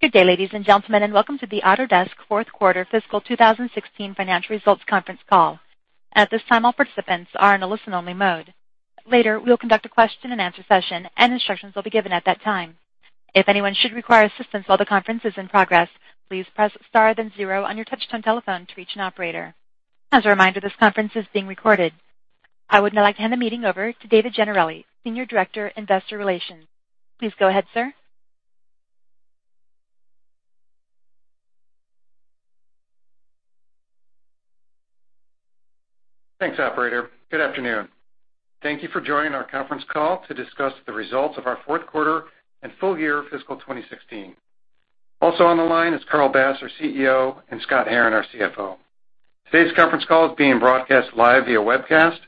Good day, ladies and gentlemen, and welcome to the Autodesk fourth quarter fiscal 2016 financial results conference call. At this time, all participants are in a listen-only mode. Later, we'll conduct a question-and-answer session, and instructions will be given at that time. If anyone should require assistance while the conference is in progress, please press star then zero on your touchtone telephone to reach an operator. As a reminder, this conference is being recorded. I would now like to hand the meeting over to David Gennarelli, Senior Director, Investor Relations. Please go ahead, sir. Thanks, operator. Good afternoon. Thank you for joining our conference call to discuss the results of our fourth quarter and full year fiscal 2016. Also on the line is Carl Bass, our CEO, and Scott Herren, our CFO. Today's conference call is being broadcast live via webcast.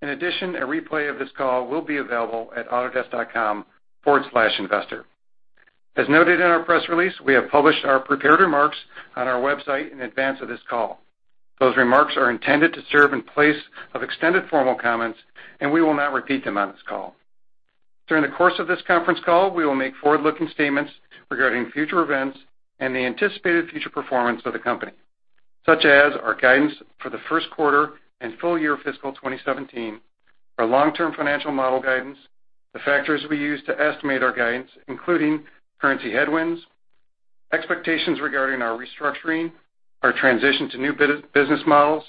A replay of this call will be available at autodesk.com/investor. As noted in our press release, we have published our prepared remarks on our website in advance of this call. Those remarks are intended to serve in place of extended formal comments, and we will not repeat them on this call. During the course of this conference call, we will make forward-looking statements regarding future events and the anticipated future performance of the company, such as our guidance for the first quarter and full year fiscal 2017, our long-term financial model guidance, the factors we use to estimate our guidance, including currency headwinds, expectations regarding our restructuring, our transition to new business models,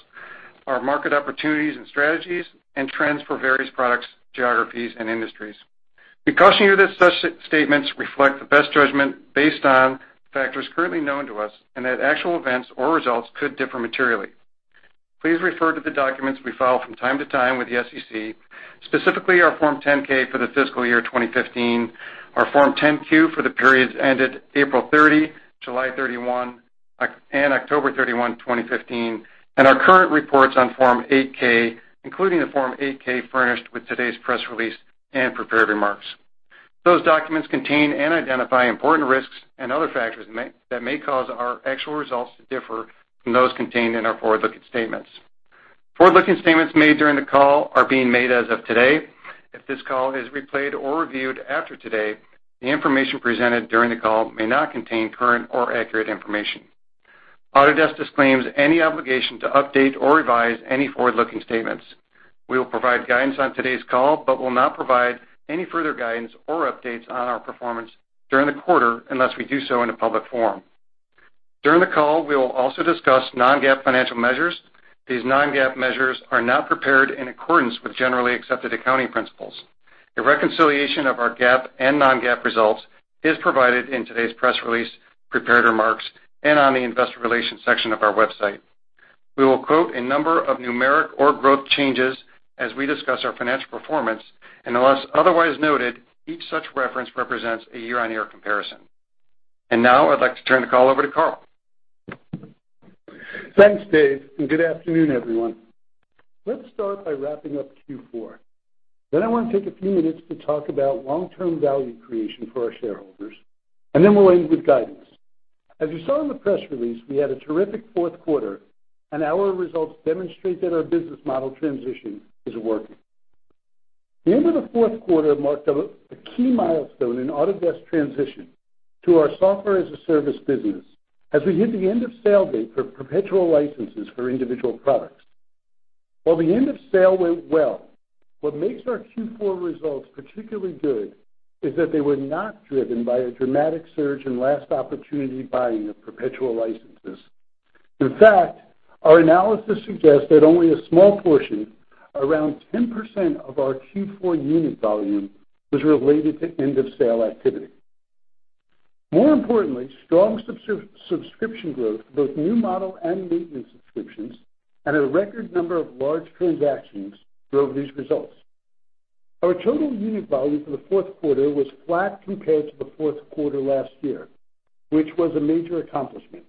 our market opportunities and strategies, and trends for various products, geographies, and industries. We caution you that such statements reflect the best judgment based on factors currently known to us and that actual events or results could differ materially. Please refer to the documents we file from time to time with the SEC, specifically our Form 10-K for the fiscal year 2015, our Form 10-Q for the periods ended April 30, July 31, and October 31, 2015, and our current reports on Form 8-K, including the Form 8-K furnished with today's press release and prepared remarks. Those documents contain and identify important risks and other factors that may cause our actual results to differ from those contained in our forward-looking statements. Forward-looking statements made during the call are being made as of today. If this call is replayed or reviewed after today, the information presented during the call may not contain current or accurate information. Autodesk disclaims any obligation to update or revise any forward-looking statements. We will provide guidance on today's call but will not provide any further guidance or updates on our performance during the quarter unless we do so in a public forum. During the call, we will also discuss non-GAAP financial measures. These non-GAAP measures are not prepared in accordance with generally accepted accounting principles. A reconciliation of our GAAP and non-GAAP results is provided in today's press release, prepared remarks, and on the investor relations section of our website. We will quote a number of numeric or growth changes as we discuss our financial performance, and unless otherwise noted, each such reference represents a year-on-year comparison. Now I'd like to turn the call over to Carl. Thanks, Dave, and good afternoon, everyone. Let's start by wrapping up Q4. I want to take a few minutes to talk about long-term value creation for our shareholders, we'll end with guidance. As you saw in the press release, we had a terrific fourth quarter, our results demonstrate that our business model transition is working. The end of the fourth quarter marked a key milestone in Autodesk transition to our software-as-a-service business as we hit the end-of-sale date for perpetual licenses for individual products. While the end of sale went well, what makes our Q4 results particularly good is that they were not driven by a dramatic surge in last opportunity buying of perpetual licenses. In fact, our analysis suggests that only a small portion, around 10% of our Q4 unit volume, was related to end-of-sale activity. More importantly, strong subscription growth, both new model and maintenance subscriptions, and a record number of large transactions drove these results. Our total unit volume for the fourth quarter was flat compared to the fourth quarter last year, which was a major accomplishment.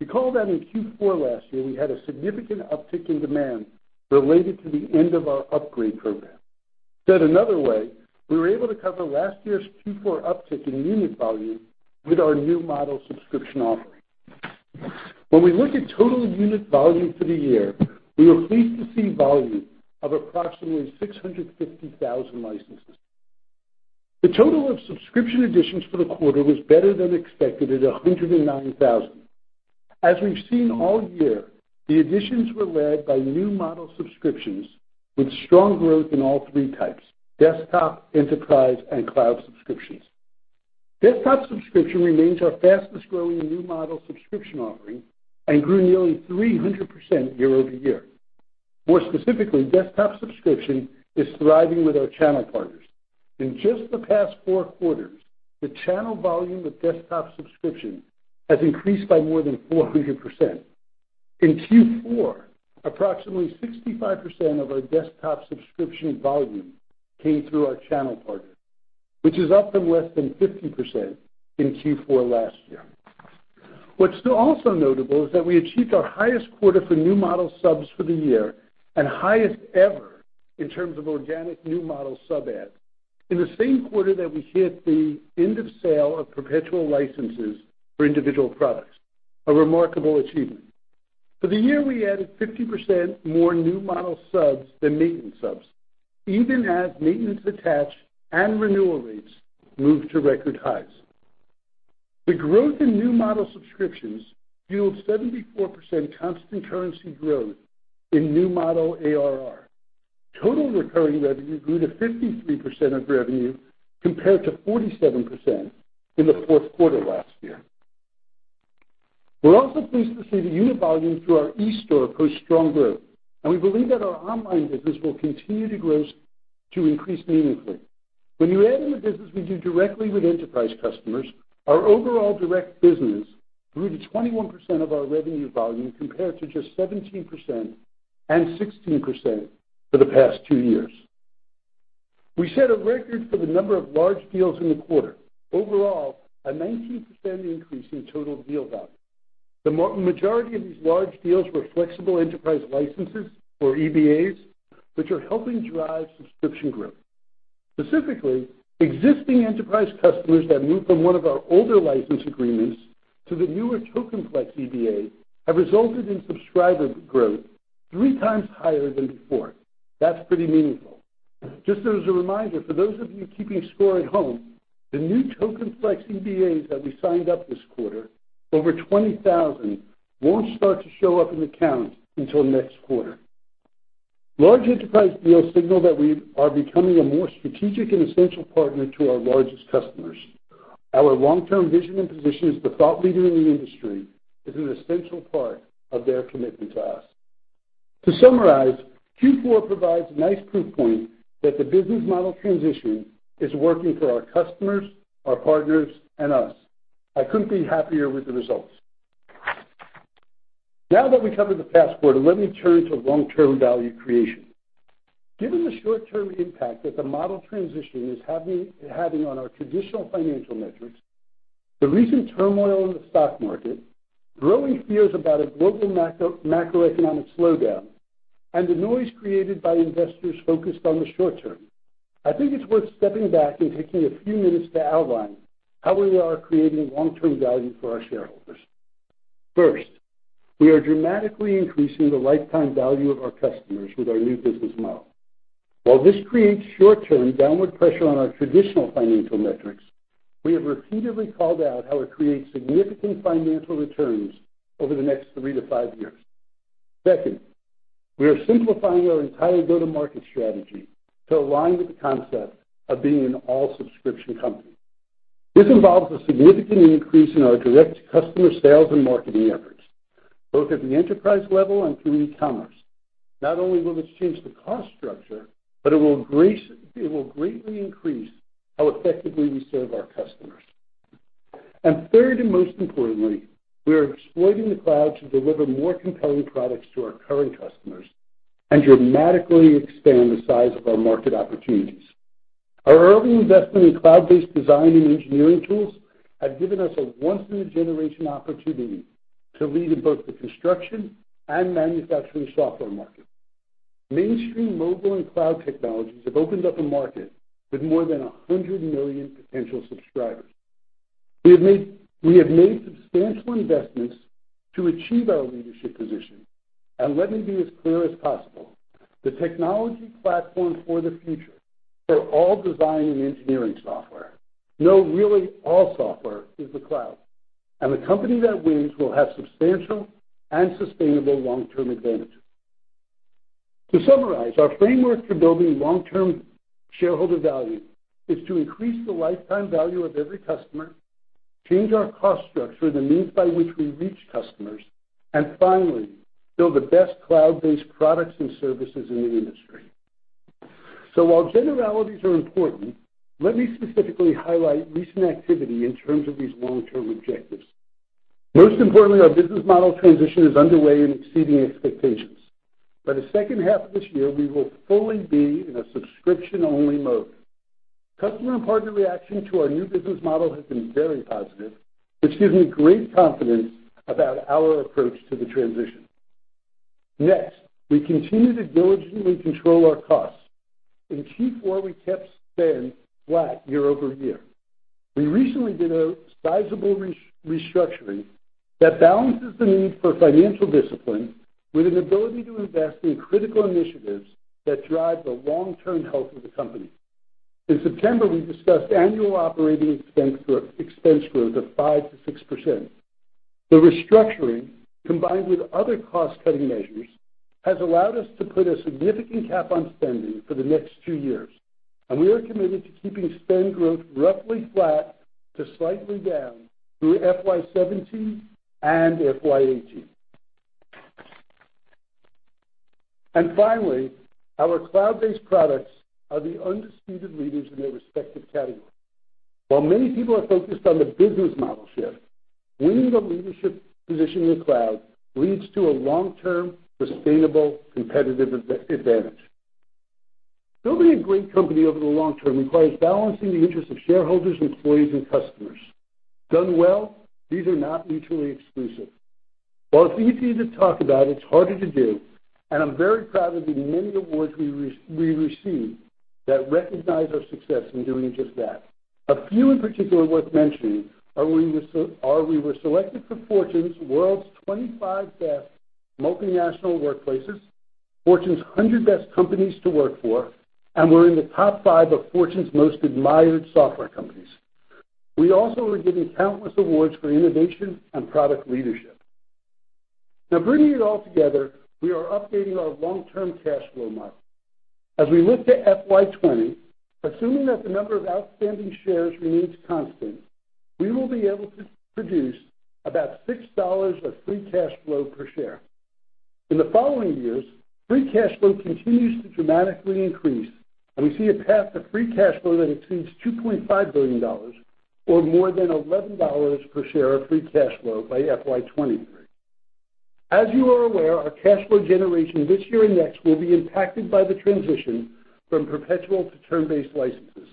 Recall that in Q4 last year, we had a significant uptick in demand related to the end of our upgrade program. Said another way, we were able to cover last year's Q4 uptick in unit volume with our new model subscription offering. When we look at total unit volume for the year, we were pleased to see volume of approximately 650,000 licenses. The total of subscription additions for the quarter was better than expected at 109,000. As we've seen all year, the additions were led by new model subscriptions with strong growth in all 3 types, desktop, enterprise, and cloud subscriptions. Desktop subscription remains our fastest-growing new model subscription offering and grew nearly 300% year-over-year. More specifically, desktop subscription is thriving with our channel partners. In just the past four quarters, the channel volume of desktop subscription has increased by more than 400%. In Q4, approximately 65% of our desktop subscription volume came through our channel partners, which is up from less than 50% in Q4 last year. What's also notable is that we achieved our highest quarter for new model subs for the year and highest ever in terms of organic new model sub-add in the same quarter that we hit the end of sale of perpetual licenses for individual products, a remarkable achievement. For the year, we added 50% more new model subs than maintenance subs, even as maintenance attached and renewal rates moved to record highs. The growth in new model subscriptions fueled 74% constant currency growth in new model ARR. Total recurring revenue grew to 53% of revenue, compared to 47% in the fourth quarter last year. We're also pleased to see the unit volume through our eStore post strong growth, and we believe that our online business will continue to grow to increase meaningfully. When you add in the business we do directly with enterprise customers, our overall direct business grew to 21% of our revenue volume, compared to just 17% and 16% for the past two years. We set a record for the number of large deals in the quarter. Overall, a 19% increase in total deal value. The majority of these large deals were flexible enterprise licenses or EBAs, which are helping drive subscription growth. Specifically, existing enterprise customers that moved from one of our older license agreements to the newer Token Flex EBA have resulted in subscriber growth three times higher than before. That's pretty meaningful. Just as a reminder, for those of you keeping score at home, the new Token Flex EBAs that we signed up this quarter, over 20,000, won't start to show up in the count until next quarter. Large enterprise deals signal that we are becoming a more strategic and essential partner to our largest customers. Our long-term vision and position as the thought leader in the industry is an essential part of their commitment to us. To summarize, Q4 provides a nice proof point that the business model transition is working for our customers, our partners, and us. I couldn't be happier with the results. Now that we covered the past quarter, let me turn to long-term value creation. Given the short-term impact that the model transition is having on our traditional financial metrics, the recent turmoil in the stock market, growing fears about a global macroeconomic slowdown, and the noise created by investors focused on the short term, I think it's worth stepping back and taking a few minutes to outline how we are creating long-term value for our shareholders. First, we are dramatically increasing the lifetime value of our customers with our new business model. While this creates short-term downward pressure on our traditional financial metrics, we have repeatedly called out how it creates significant financial returns over the next three to five years. Second, we are simplifying our entire go-to-market strategy to align with the concept of being an all-subscription company. This involves a significant increase in our direct customer sales and marketing efforts, both at the enterprise level and through e-commerce. Not only will this change the cost structure, but it will greatly increase how effectively we serve our customers. Third, and most importantly, we are exploiting the cloud to deliver more compelling products to our current customers and dramatically expand the size of our market opportunities. Our early investment in cloud-based design and engineering tools have given us a once-in-a-generation opportunity to lead in both the construction and manufacturing software market. Mainstream mobile and cloud technologies have opened up a market with more than 100 million potential subscribers. We have made substantial investments to achieve our leadership position, and let me be as clear as possible, the technology platform for the future for all design and engineering software. No, really all software is the cloud, and the company that wins will have substantial and sustainable long-term advantage. To summarize, our framework for building long-term shareholder value is to increase the lifetime value of every customer, change our cost structure, the means by which we reach customers, and finally, build the best cloud-based products and services in the industry. While generalities are important, let me specifically highlight recent activity in terms of these long-term objectives. Most importantly, our business model transition is underway and exceeding expectations. By the second half of this year, we will fully be in a subscription-only mode. Customer and partner reaction to our new business model has been very positive, which gives me great confidence about our approach to the transition. Next, we continue to diligently control our costs. In Q4, we kept spend flat year-over-year. We recently did a sizable restructuring that balances the need for financial discipline with an ability to invest in critical initiatives that drive the long-term health of the company. In September, we discussed annual operating expense growth of 5%-6%. The restructuring, combined with other cost-cutting measures, has allowed us to put a significant cap on spending for the next two years. We are committed to keeping spend growth roughly flat to slightly down through FY 2017 and FY 2018. Finally, our cloud-based products are the undisputed leaders in their respective categories. While many people are focused on the business model shift, winning a leadership position in the cloud leads to a long-term, sustainable competitive advantage. Building a great company over the long term requires balancing the interests of shareholders, employees, and customers. Done well, these are not mutually exclusive. While it's easy to talk about, it's harder to do. I'm very proud of the many awards we received that recognize our success in doing just that. A few in particular worth mentioning are we were selected for Fortune's World's 25 Best Multinational Workplaces, Fortune's 100 Best Companies to Work For, and we're in the top five of Fortune's Most Admired Software Companies. We also were given countless awards for innovation and product leadership. Bringing it all together, we are updating our long-term cash flow model. As we look to FY 2020, assuming that the number of outstanding shares remains constant, we will be able to produce about $6 of free cash flow per share. In the following years, free cash flow continues to dramatically increase. We see a path to free cash flow that exceeds $2.5 billion, or more than $11 per share of free cash flow by FY 2023. As you are aware, our cash flow generation this year and next will be impacted by the transition from perpetual to term-based licenses.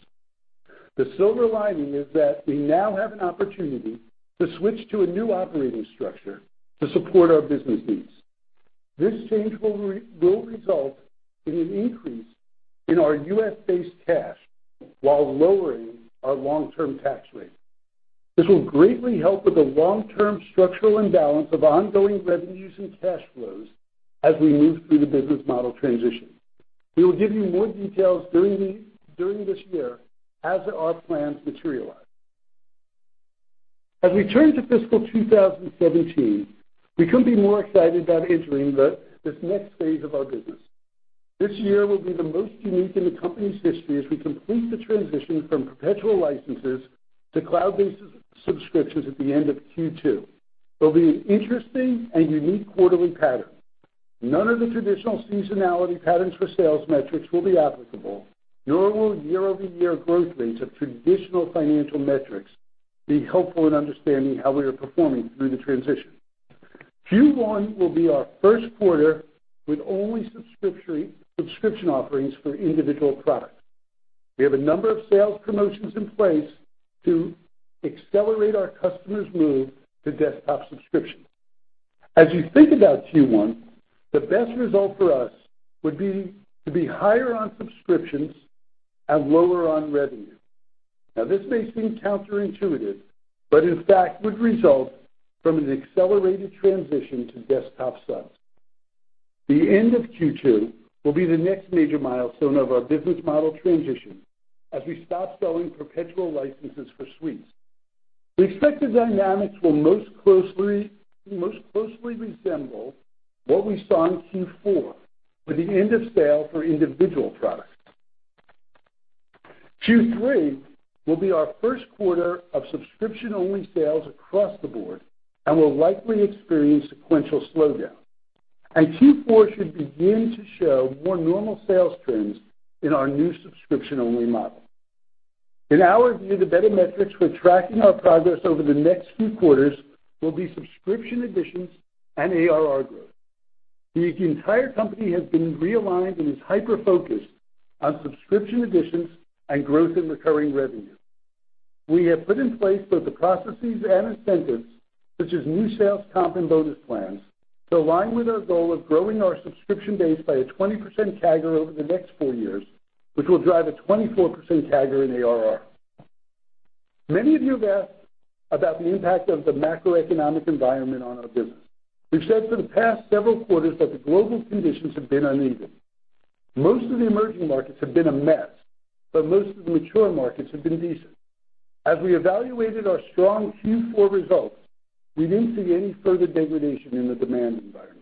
The silver lining is that we now have an opportunity to switch to a new operating structure to support our business needs. This change will result in an increase in our U.S.-based cash while lowering our long-term tax rate. This will greatly help with the long-term structural imbalance of ongoing revenues and cash flows as we move through the business model transition. We will give you more details during this year as our plans materialize. As we turn to fiscal 2017, we couldn't be more excited about entering this next phase of our business. This year will be the most unique in the company's history as we complete the transition from perpetual licenses to cloud-based subscriptions at the end of Q2. It'll be an interesting and unique quarterly pattern. None of the traditional seasonality patterns for sales metrics will be applicable, nor will year-over-year growth rates of traditional financial metrics be helpful in understanding how we are performing through the transition. Q1 will be our first quarter with only subscription offerings for individual products. We have a number of sales promotions in place to accelerate our customers' move to desktop subscription. As you think about Q1, the best result for us would be to be higher on subscriptions and lower on revenue. Now, this may seem counterintuitive, but in fact would result from an accelerated transition to desktop subs. The end of Q2 will be the next major milestone of our business model transition as we stop selling perpetual licenses for Suites. We expect the dynamics will most closely resemble what we saw in Q4 with the end of sale for individual products. Q3 will be our first quarter of subscription-only sales across the board and will likely experience sequential slowdown. Q4 should begin to show more normal sales trends in our new subscription-only model. In our view, the better metrics for tracking our progress over the next few quarters will be subscription additions and ARR growth. The entire company has been realigned and is hyper-focused on subscription additions and growth in recurring revenue. We have put in place both the processes and incentives, such as new sales comp and bonus plans, to align with our goal of growing our subscription base by a 20% CAGR over the next 4 years, which will drive a 24% CAGR in ARR. Many of you have asked about the impact of the macroeconomic environment on our business. We've said for the past several quarters that the global conditions have been uneven. Most of the emerging markets have been a mess, but most of the mature markets have been decent. As we evaluated our strong Q4 results, we didn't see any further degradation in the demand environment.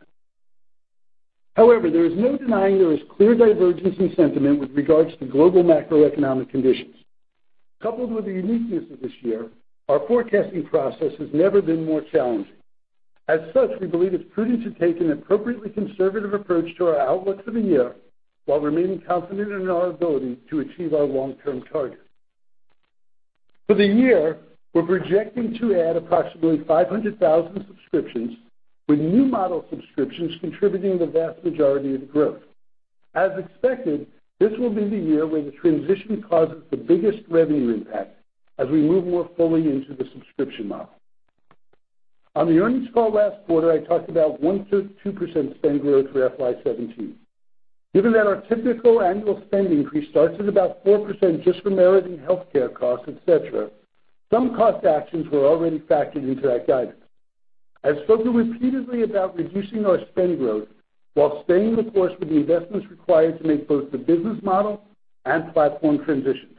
However, there is no denying there is clear divergence in sentiment with regards to global macroeconomic conditions. Coupled with the uniqueness of this year, our forecasting process has never been more challenging. As such, we believe it's prudent to take an appropriately conservative approach to our outlooks for the year while remaining confident in our ability to achieve our long-term targets. For the year, we're projecting to add approximately 500,000 subscriptions, with new model subscriptions contributing the vast majority of the growth. As expected, this will be the year where the transition causes the biggest revenue impact as we move more fully into the subscription model. On the earnings call last quarter, I talked about 1%-2% spend growth for FY 2017. Given that our typical annual spend increase starts at about 4% just from merit and healthcare costs, et cetera, some cost actions were already factored into that guidance. I've spoken repeatedly about reducing our spend growth while staying the course with the investments required to make both the business model and platform transitions.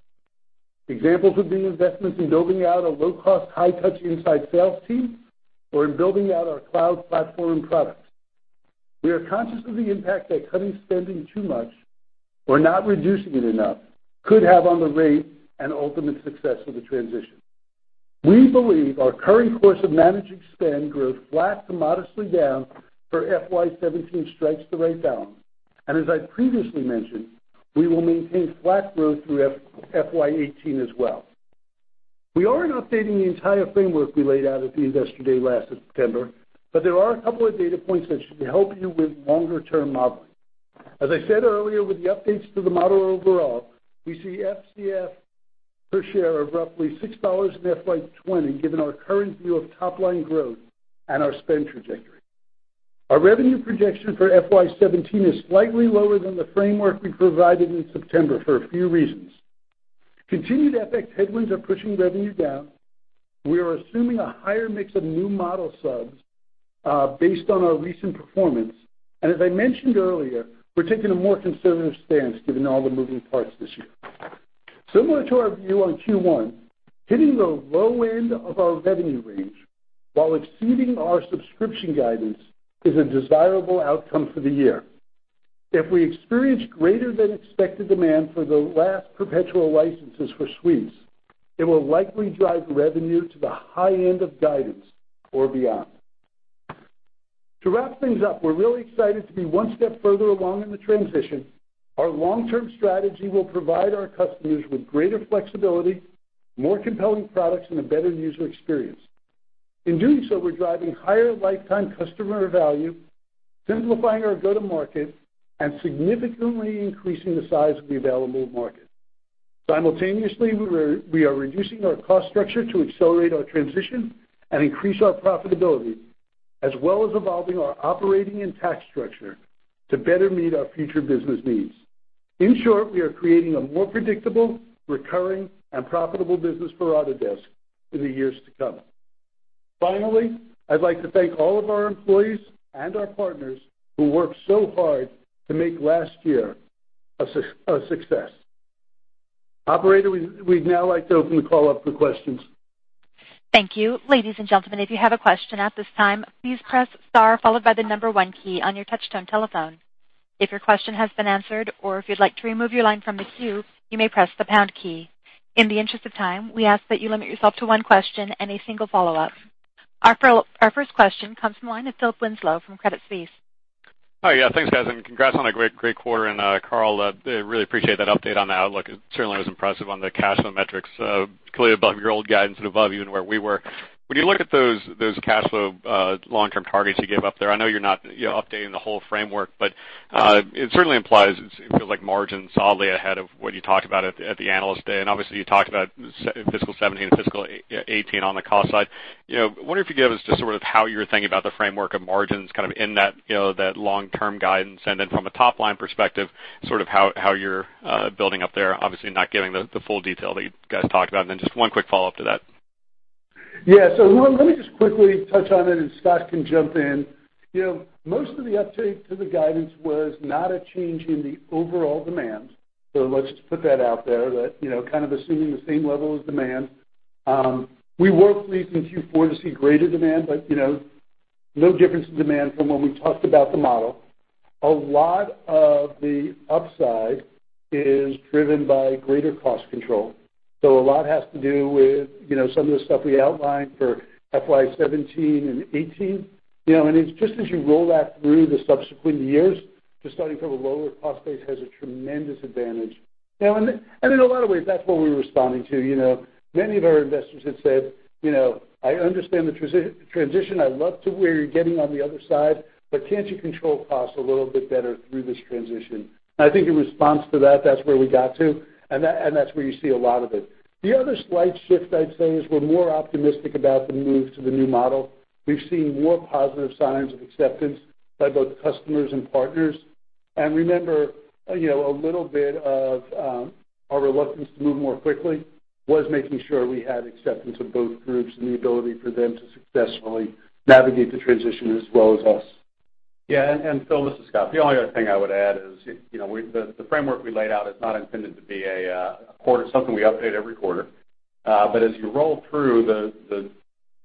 Examples would be investments in building out a low-cost, high-touch inside sales team or in building out our cloud platform products. We are conscious of the impact that cutting spending too much or not reducing it enough could have on the rate and ultimate success of the transition. We believe our current course of managing spend growth flat to modestly down for FY 2017 strikes the right balance. As I previously mentioned, we will maintain flat growth through FY 2018 as well. We aren't updating the entire framework we laid out at the Investor Day last September, there are a couple of data points that should help you with longer-term modeling. As I said earlier, with the updates to the model overall, we see FCF per share of roughly $6 in FY 2020, given our current view of top-line growth and our spend trajectory. Our revenue projection for FY 2017 is slightly lower than the framework we provided in September for a few reasons. Continued FX headwinds are pushing revenue down. We are assuming a higher mix of new model subs based on our recent performance. As I mentioned earlier, we're taking a more conservative stance given all the moving parts this year. Similar to our view on Q1, hitting the low end of our revenue range while exceeding our subscription guidance is a desirable outcome for the year. If we experience greater than expected demand for the last perpetual licenses for Suites, it will likely drive revenue to the high end of guidance or beyond. To wrap things up, we're really excited to be one step further along in the transition. Our long-term strategy will provide our customers with greater flexibility, more compelling products, and a better user experience. In doing so, we're driving higher lifetime customer value, simplifying our go-to-market, and significantly increasing the size of the available market. Simultaneously, we are reducing our cost structure to accelerate our transition and increase our profitability, as well as evolving our operating and tax structure to better meet our future business needs. In short, we are creating a more predictable, recurring, and profitable business for Autodesk in the years to come. Finally, I'd like to thank all of our employees and our partners who worked so hard to make last year a success. Operator, we'd now like to open the call up for questions. Thank you. Ladies and gentlemen, if you have a question at this time, please press star followed by the number one key on your touchtone telephone. If your question has been answered or if you'd like to remove your line from the queue, you may press the pound key. In the interest of time, we ask that you limit yourself to one question and a single follow-up. Our first question comes from the line of Philip Winslow from Credit Suisse. Hi. Thanks, guys, and congrats on a great quarter. Carl, really appreciate that update on the outlook. It certainly was impressive on the cash flow metrics, clearly above your old guidance and above even where we were. When you look at those cash flow long-term targets you gave up there, I know you're not updating the whole framework, but it certainly implies it feels like margin's solidly ahead of what you talked about at the Analyst Day. Obviously, you talked about fiscal 2017 and fiscal 2018 on the cost side. Wondering if you could give us just how you're thinking about the framework of margins in that long-term guidance, and then from a top-line perspective, how you're building up there. Obviously not giving the full detail that you guys talked about. Then just one quick follow-up to that. Let me just quickly touch on it, and Scott can jump in. Most of the uptake to the guidance was not a change in the overall demand. Let's just put that out there, that kind of assuming the same level of demand. We were pleased in Q4 to see greater demand, but no difference in demand from when we talked about the model. A lot of the upside is driven by greater cost control. A lot has to do with some of the stuff we outlined for FY 2017 and 2018. It's just as you roll that through the subsequent years, just starting from a lower cost base has a tremendous advantage. In a lot of ways, that's what we're responding to. Many of our investors had said, "I understand the transition. I love to where you're getting on the other side, but can't you control costs a little bit better through this transition?" I think in response to that's where we got to, and that's where you see a lot of it. The other slight shift, I'd say, is we're more optimistic about the move to the new model. We've seen more positive signs of acceptance by both customers and partners. Remember, a little bit of our reluctance to move more quickly was making sure we had acceptance of both groups and the ability for them to successfully navigate the transition as well as us. Phil, this is Scott. The only other thing I would add is the framework we laid out is not intended to be something we update every quarter. As you roll through the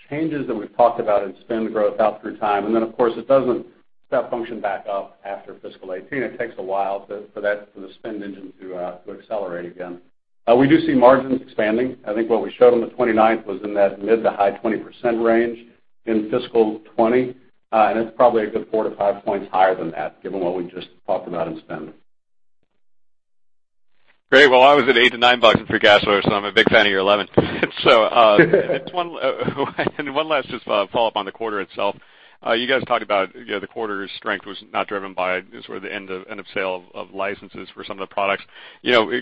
changes that we've talked about in spend growth out through time, then of course, it doesn't step function back up after fiscal 2018. It takes a while for the spend engine to accelerate again. We do see margins expanding. I think what we showed on the 29th was in that mid to high 20% range in fiscal 2020, and it's probably a good 4 to 5 points higher than that, given what we just talked about in spend. Great. Well, I was at $8-$9 in free cash flow, so I'm a big fan of your 11. One last just follow-up on the quarter itself. You guys talked about the quarter's strength was not driven by the end of sale of licenses for some of the products.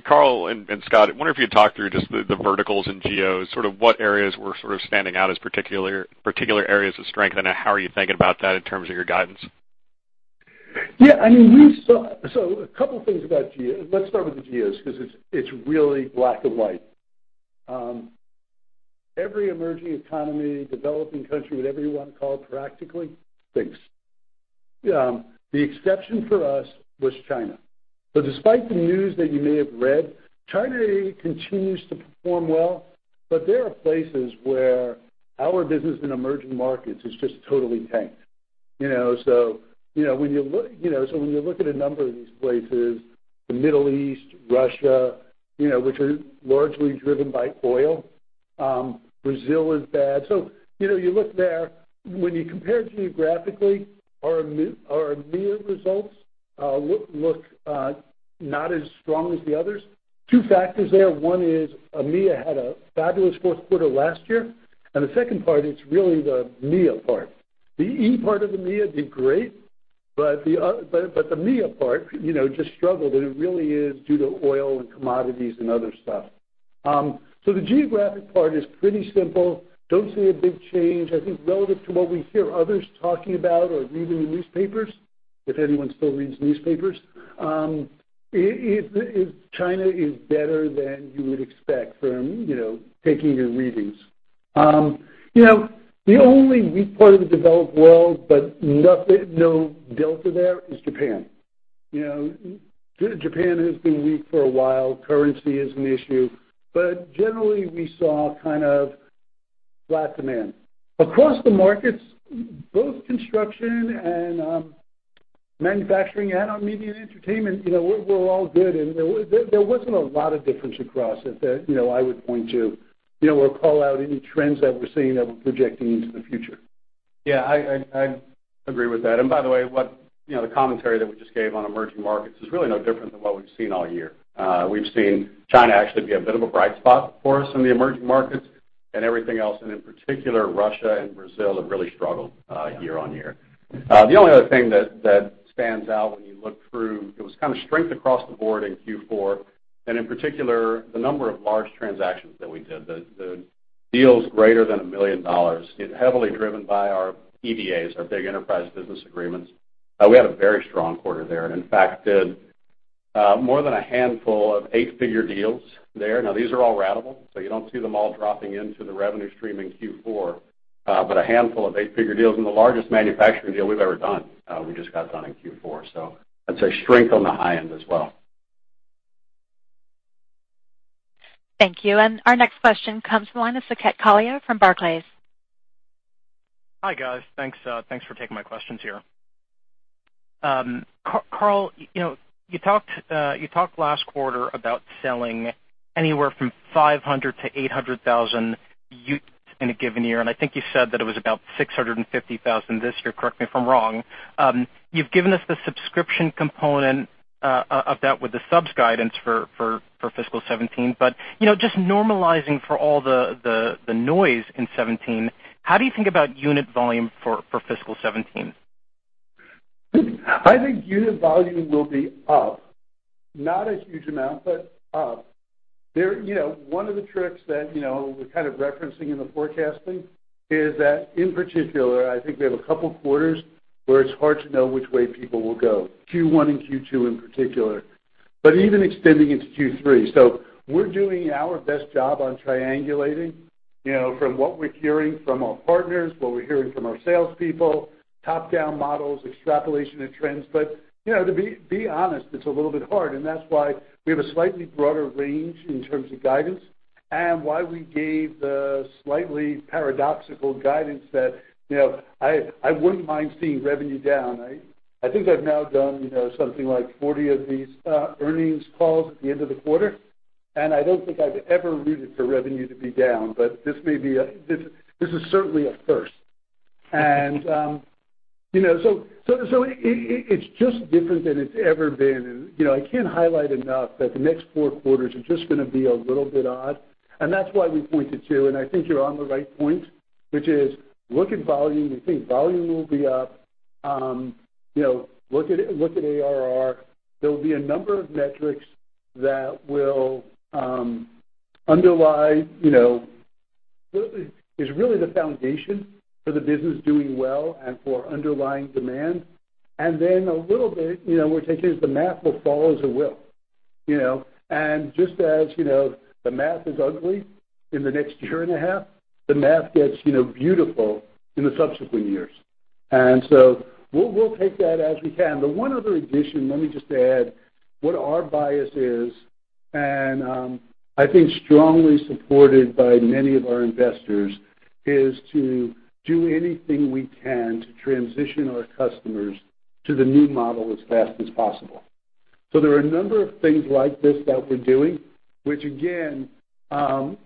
Carl and Scott, I wonder if you'd talk through just the verticals in geos, what areas were standing out as particular areas of strength, and how are you thinking about that in terms of your guidance? Yeah. A couple things about geo. Let's start with the geos because it's really black and white. Every emerging economy, developing country, whatever you want to call it, practically, stinks. The exception for us was China. Despite the news that you may have read, China continues to perform well, but there are places where our business in emerging markets has just totally tanked. When you look at a number of these places, the Middle East, Russia, which are largely driven by oil. Brazil is bad. You look there. When you compare geographically, our EMEA results look not as strong as the others. Two factors there. One is EMEA had a fabulous fourth quarter last year, and the second part is really the MEA part. The E part of EMEA did great, but the MEA part just struggled, and it really is due to oil and commodities and other stuff. The geographic part is pretty simple. Don't see a big change. I think relative to what we hear others talking about or read in the newspapers, if anyone still reads newspapers, China is better than you would expect from taking your readings. The only weak part of the developed world, but no delta there, is Japan. Japan has been weak for a while. Currency is an issue, but generally, we saw flat demand. Across the markets, both construction and manufacturing and our media and entertainment were all good, and there wasn't a lot of difference across it that I would point to or call out any trends that we're seeing that we're projecting into the future. Yeah, I agree with that. By the way, the commentary that we just gave on emerging markets is really no different than what we've seen all year. We've seen China actually be a bit of a bright spot for us in the emerging markets and everything else, and in particular, Russia and Brazil have really struggled year-on-year. The only other thing that stands out when you look through, it was kind of strength across the board in Q4, and in particular, the number of large transactions that we did, the deals greater than $1 million, is heavily driven by our EBAs, our big Enterprise Business Agreements. We had a very strong quarter there, and in fact, did more than a handful of eight-figure deals there. These are all ratable, you don't see them all dropping into the revenue stream in Q4, but a handful of eight-figure deals, and the largest manufacturing deal we've ever done, we just got done in Q4. I'd say strength on the high end as well. Thank you. Our next question comes from the line of Saket Kalia from Barclays. Hi, guys. Thanks for taking my questions here. Carl, you talked last quarter about selling anywhere from 500,000-800,000 units in a given year, I think you said that it was about 650,000 this year. Correct me if I'm wrong. You've given us the subscription component of that with the subs guidance for fiscal 2017. Just normalizing for all the noise in 2017, how do you think about unit volume for fiscal 2017? I think unit volume will be up. Not a huge amount, but up. One of the tricks that we're kind of referencing in the forecasting is that, in particular, I think we have a couple of quarters where it's hard to know which way people will go, Q1 and Q2 in particular, even extending into Q3. We're doing our best job on triangulating from what we're hearing from our partners, what we're hearing from our salespeople, top-down models, extrapolation of trends. To be honest, it's a little bit hard, and that's why we have a slightly broader range in terms of guidance and why we gave the slightly paradoxical guidance that I wouldn't mind seeing revenue down. I think I've now done something like 40 of these earnings calls at the end of the quarter. I don't think I've ever rooted for revenue to be down, but this is certainly a first. It's just different than it's ever been, and I can't highlight enough that the next four quarters are just going to be a little bit odd. That's why we pointed to, and I think you're on the right point, which is look at volume. We think volume will be up. Look at ARR. There will be a number of metrics that underlie, really the foundation for the business doing well and for underlying demand. Then a little bit, we're taking is the math will follow as it will. Just as the math is ugly in the next year and a half, the math gets beautiful in the subsequent years. We'll take that as we can. One other addition, let me just add what our bias is, and I think strongly supported by many of our investors, is to do anything we can to transition our customers to the new model as fast as possible. There are a number of things like this that we're doing, which again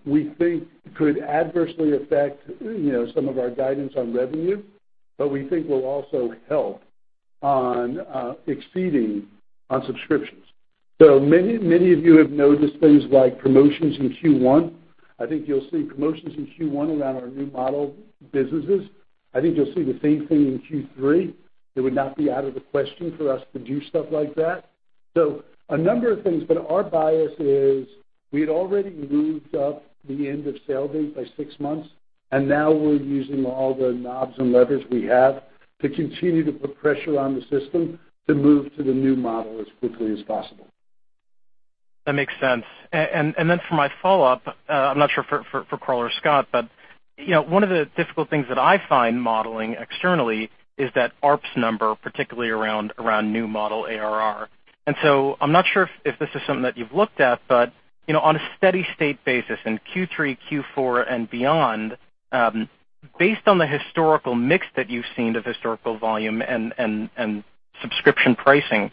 we think could adversely affect some of our guidance on revenue, but we think will also help on exceeding on subscriptions. Many of you have noticed things like promotions in Q1. I think you'll see promotions in Q1 around our new model businesses. I think you'll see the same thing in Q3. It would not be out of the question for us to do stuff like that. A number of things, but our bias is we had already moved up the end of sale date by six months, and now we're using all the knobs and levers we have to continue to put pressure on the system to move to the new model as quickly as possible. That makes sense. Then for my follow-up, I'm not sure for Carl or Scott, but one of the difficult things that I find modeling externally is that ARPS number, particularly around new model ARR. I'm not sure if this is something that you've looked at, but on a steady state basis in Q3, Q4, and beyond, based on the historical mix that you've seen of historical volume and subscription pricing,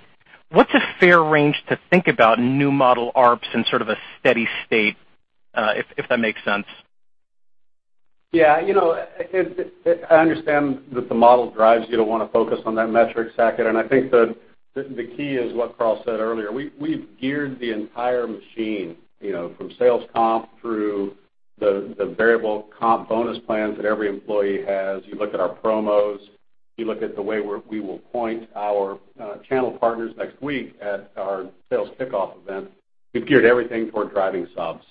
what's a fair range to think about new model ARPS in sort of a steady state? If that makes sense. Yeah. I understand that the model drives you to want to focus on that metric, Saket, I think the key is what Carl said earlier. We've geared the entire machine, from sales comp through the variable comp bonus plans that every employee has. You look at our promos, you look at the way we will point our channel partners next week at our sales kickoff event. We've geared everything toward driving subs,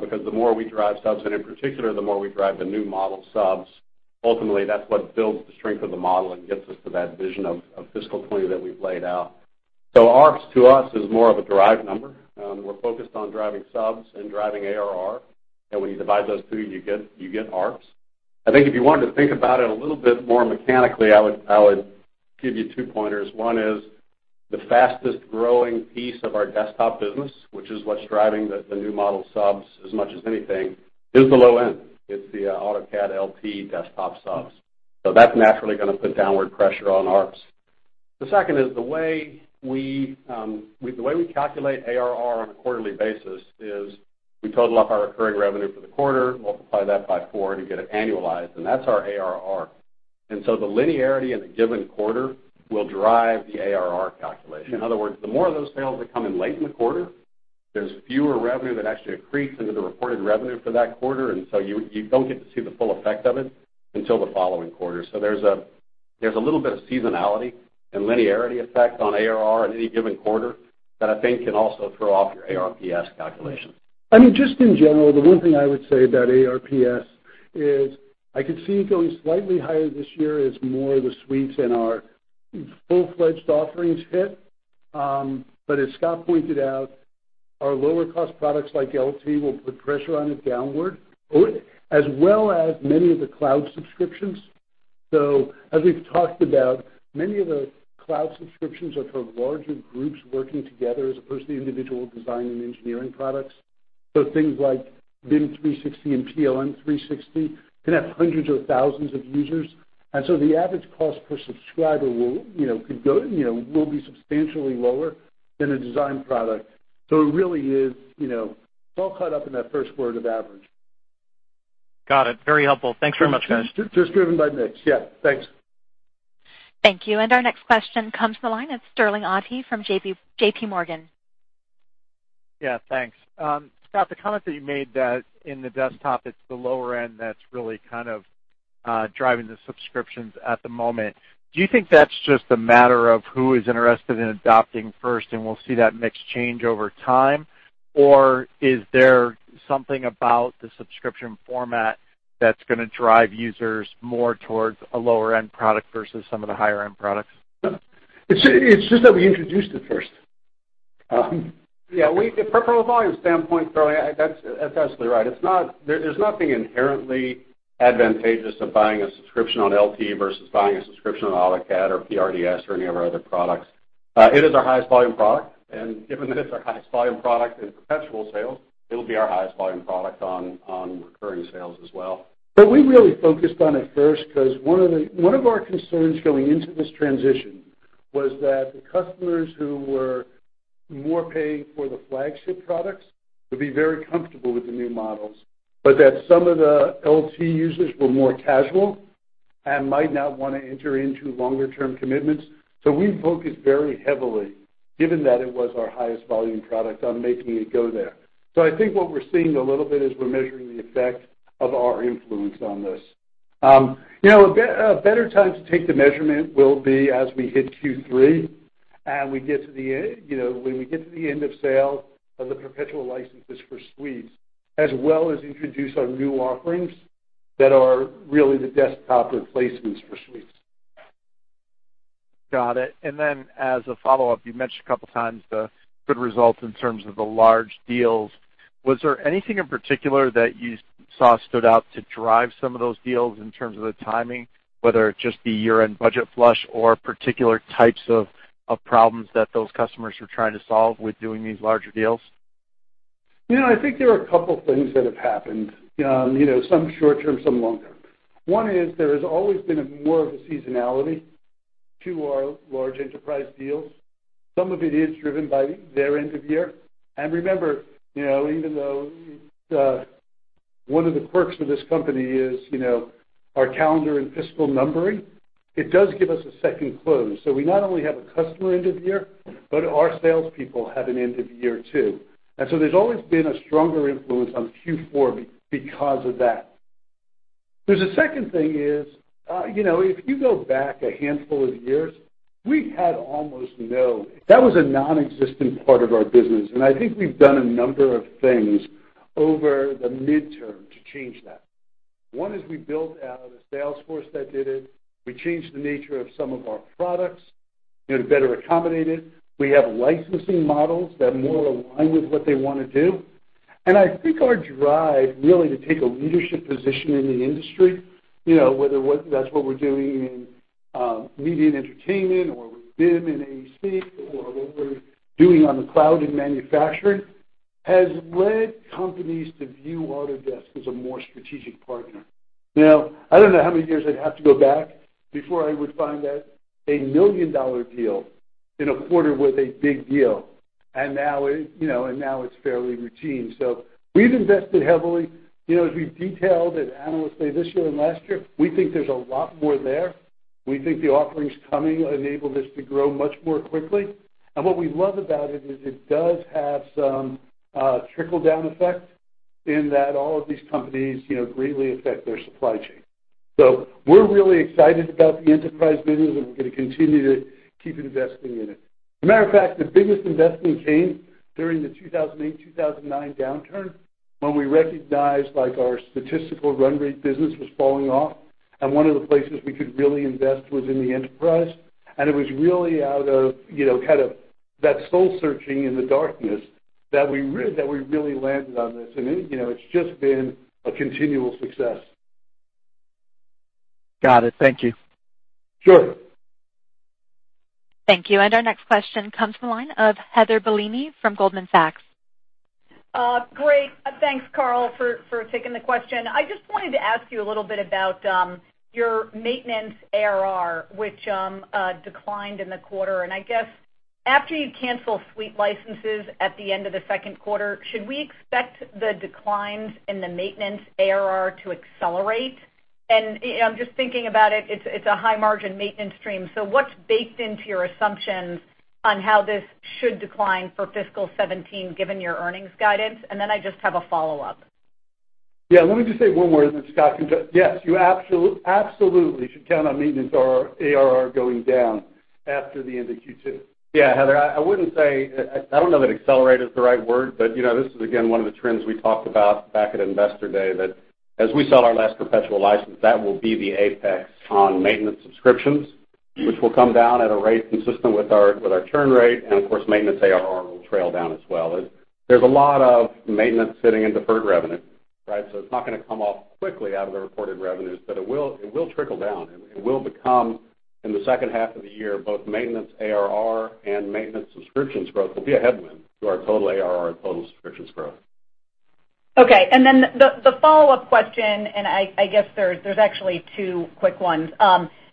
because the more we drive subs, and in particular, the more we drive the new model subs, ultimately, that's what builds the strength of the model and gets us to that vision of fiscal 2020 that we've laid out. ARPS, to us, is more of a derived number. We're focused on driving subs and driving ARR. When you divide those two, you get ARPS. I think if you wanted to think about it a little bit more mechanically, I would give you two pointers. One is the fastest-growing piece of our desktop business, which is what's driving the new model subs as much as anything, is the low end. It's the AutoCAD LT desktop subs. That's naturally going to put downward pressure on ARPS. The second is the way we calculate ARR on a quarterly basis is we total up our recurring revenue for the quarter, multiply that by four to get it annualized, and that's our ARR. The linearity in a given quarter will drive the ARR calculation. In other words, the more of those sales that come in late in the quarter, there's fewer revenue that actually accretes into the reported revenue for that quarter, you don't get to see the full effect of it until the following quarter. There's a little bit of seasonality and linearity effect on ARR at any given quarter that I think can also throw off your ARPS calculation. I mean, just in general, the one thing I would say about ARPS is I could see it going slightly higher this year as more of the Suites and our full-fledged offerings hit. As Scott pointed out, our lower-cost products like LT will put pressure on it downward, as well as many of the cloud subscriptions. As we've talked about, many of the cloud subscriptions are for larger groups working together as opposed to individual design and engineering products. Things like BIM 360 and PLM 360 can have hundreds of thousands of users. The average cost per subscriber will be substantially lower than a design product. It really is all caught up in that first word of average. Got it. Very helpful. Thanks very much, guys. Just driven by mix. Yeah, thanks. Thank you. Our next question comes from the line. It's Sterling Auty from J.P. Morgan. Yeah, thanks. Scott, the comment that you made that in the desktop, it's the lower end that's really kind of driving the subscriptions at the moment, do you think that's just a matter of who is interested in adopting first and we'll see that mix change over time? Is there something about the subscription format that's going to drive users more towards a lower-end product versus some of the higher-end products? It's just that we introduced it first. Yeah. From a volume standpoint, Sterling, that's absolutely right. There's nothing inherently advantageous to buying a subscription on LT versus buying a subscription on AutoCAD or PRDS or any of our other products. It is our highest volume product, and given that it's our highest volume product in perpetual sales, it'll be our highest volume product on recurring sales as well. We really focused on it first because one of our concerns going into this transition was that the customers who were more paying for the flagship products would be very comfortable with the new models, but that some of the LT users were more casual and might not want to enter into longer-term commitments. We focused very heavily, given that it was our highest volume product, on making it go there. I think what we're seeing a little bit is we're measuring the effect of our influence on this. A better time to take the measurement will be as we hit Q3, and when we get to the end of sale of the perpetual licenses for Suites, as well as introduce our new offerings that are really the desktop replacements for Suites. Got it. As a follow-up, you mentioned a couple of times the good results in terms of the large deals. Was there anything in particular that you saw stood out to drive some of those deals in terms of the timing, whether it just be year-end budget flush or particular types of problems that those customers were trying to solve with doing these larger deals? I think there are a couple of things that have happened. Some short-term, some long-term. One is there has always been a more of a seasonality to our large enterprise deals. Some of it is driven by their end of year. Remember, even though one of the quirks for this company is our calendar and fiscal numbering, it does give us a second close. We not only have a customer end of year, but our salespeople have an end of year too. There's always been a stronger influence on Q4 because of that. There's a second thing is, if you go back a handful of years, that was a non-existent part of our business, and I think we've done a number of things over the midterm to change that. One is we built out a sales force that did it. We changed the nature of some of our products to better accommodate it. We have licensing models that more align with what they want to do. I think our drive really to take a leadership position in the industry, whether that's what we're doing in media and entertainment or with BIM in AEC or what we're doing on the cloud in manufacturing, has led companies to view Autodesk as a more strategic partner. I don't know how many years I'd have to go back before I would find that a $1 million deal in a quarter with a big deal, and now it's fairly routine. We've invested heavily. As we've detailed at Analyst Day this year and last year, we think there's a lot more there. We think the offerings coming enable this to grow much more quickly. What we love about it is it does have some trickle-down effect in that all of these companies greatly affect their supply chain. We're really excited about the enterprise business, and we're going to continue to keep investing in it. As a matter of fact, the biggest investment came during the 2008, 2009 downturn, when we recognized our statistical run rate business was falling off. One of the places we could really invest was in the enterprise. It was really out of that soul-searching in the darkness that we really landed on this. It's just been a continual success. Got it. Thank you. Sure. Thank you. Our next question comes from the line of Heather Bellini from Goldman Sachs. Great. Thanks, Carl, for taking the question. I just wanted to ask you a little bit about your maintenance ARR, which declined in the quarter. I guess after you cancel suite licenses at the end of the second quarter, should we expect the declines in the maintenance ARR to accelerate? I'm just thinking about it. It's a high-margin maintenance stream. What's baked into your assumptions on how this should decline for fiscal 2017, given your earnings guidance? Then I just have a follow-up. Yeah. Let me just say one more, then Scott. Yes, you absolutely should count on maintenance ARR going down after the end of Q2. Yeah, Heather, I wouldn't say, I don't know that accelerate is the right word, but this is again, one of the trends we talked about back at Investor Day, that as we sell our last perpetual license, that will be the apex on maintenance subscriptions, which will come down at a rate consistent with our churn rate. Of course, maintenance ARR will trail down as well. There's a lot of maintenance sitting in deferred revenue, it's not going to come off quickly out of the reported revenues, but it will trickle down. It will become, in the second half of the year, both maintenance ARR and maintenance subscriptions growth will be a headwind to our total ARR and total subscriptions growth. Okay. The follow-up question, I guess there's actually two quick ones.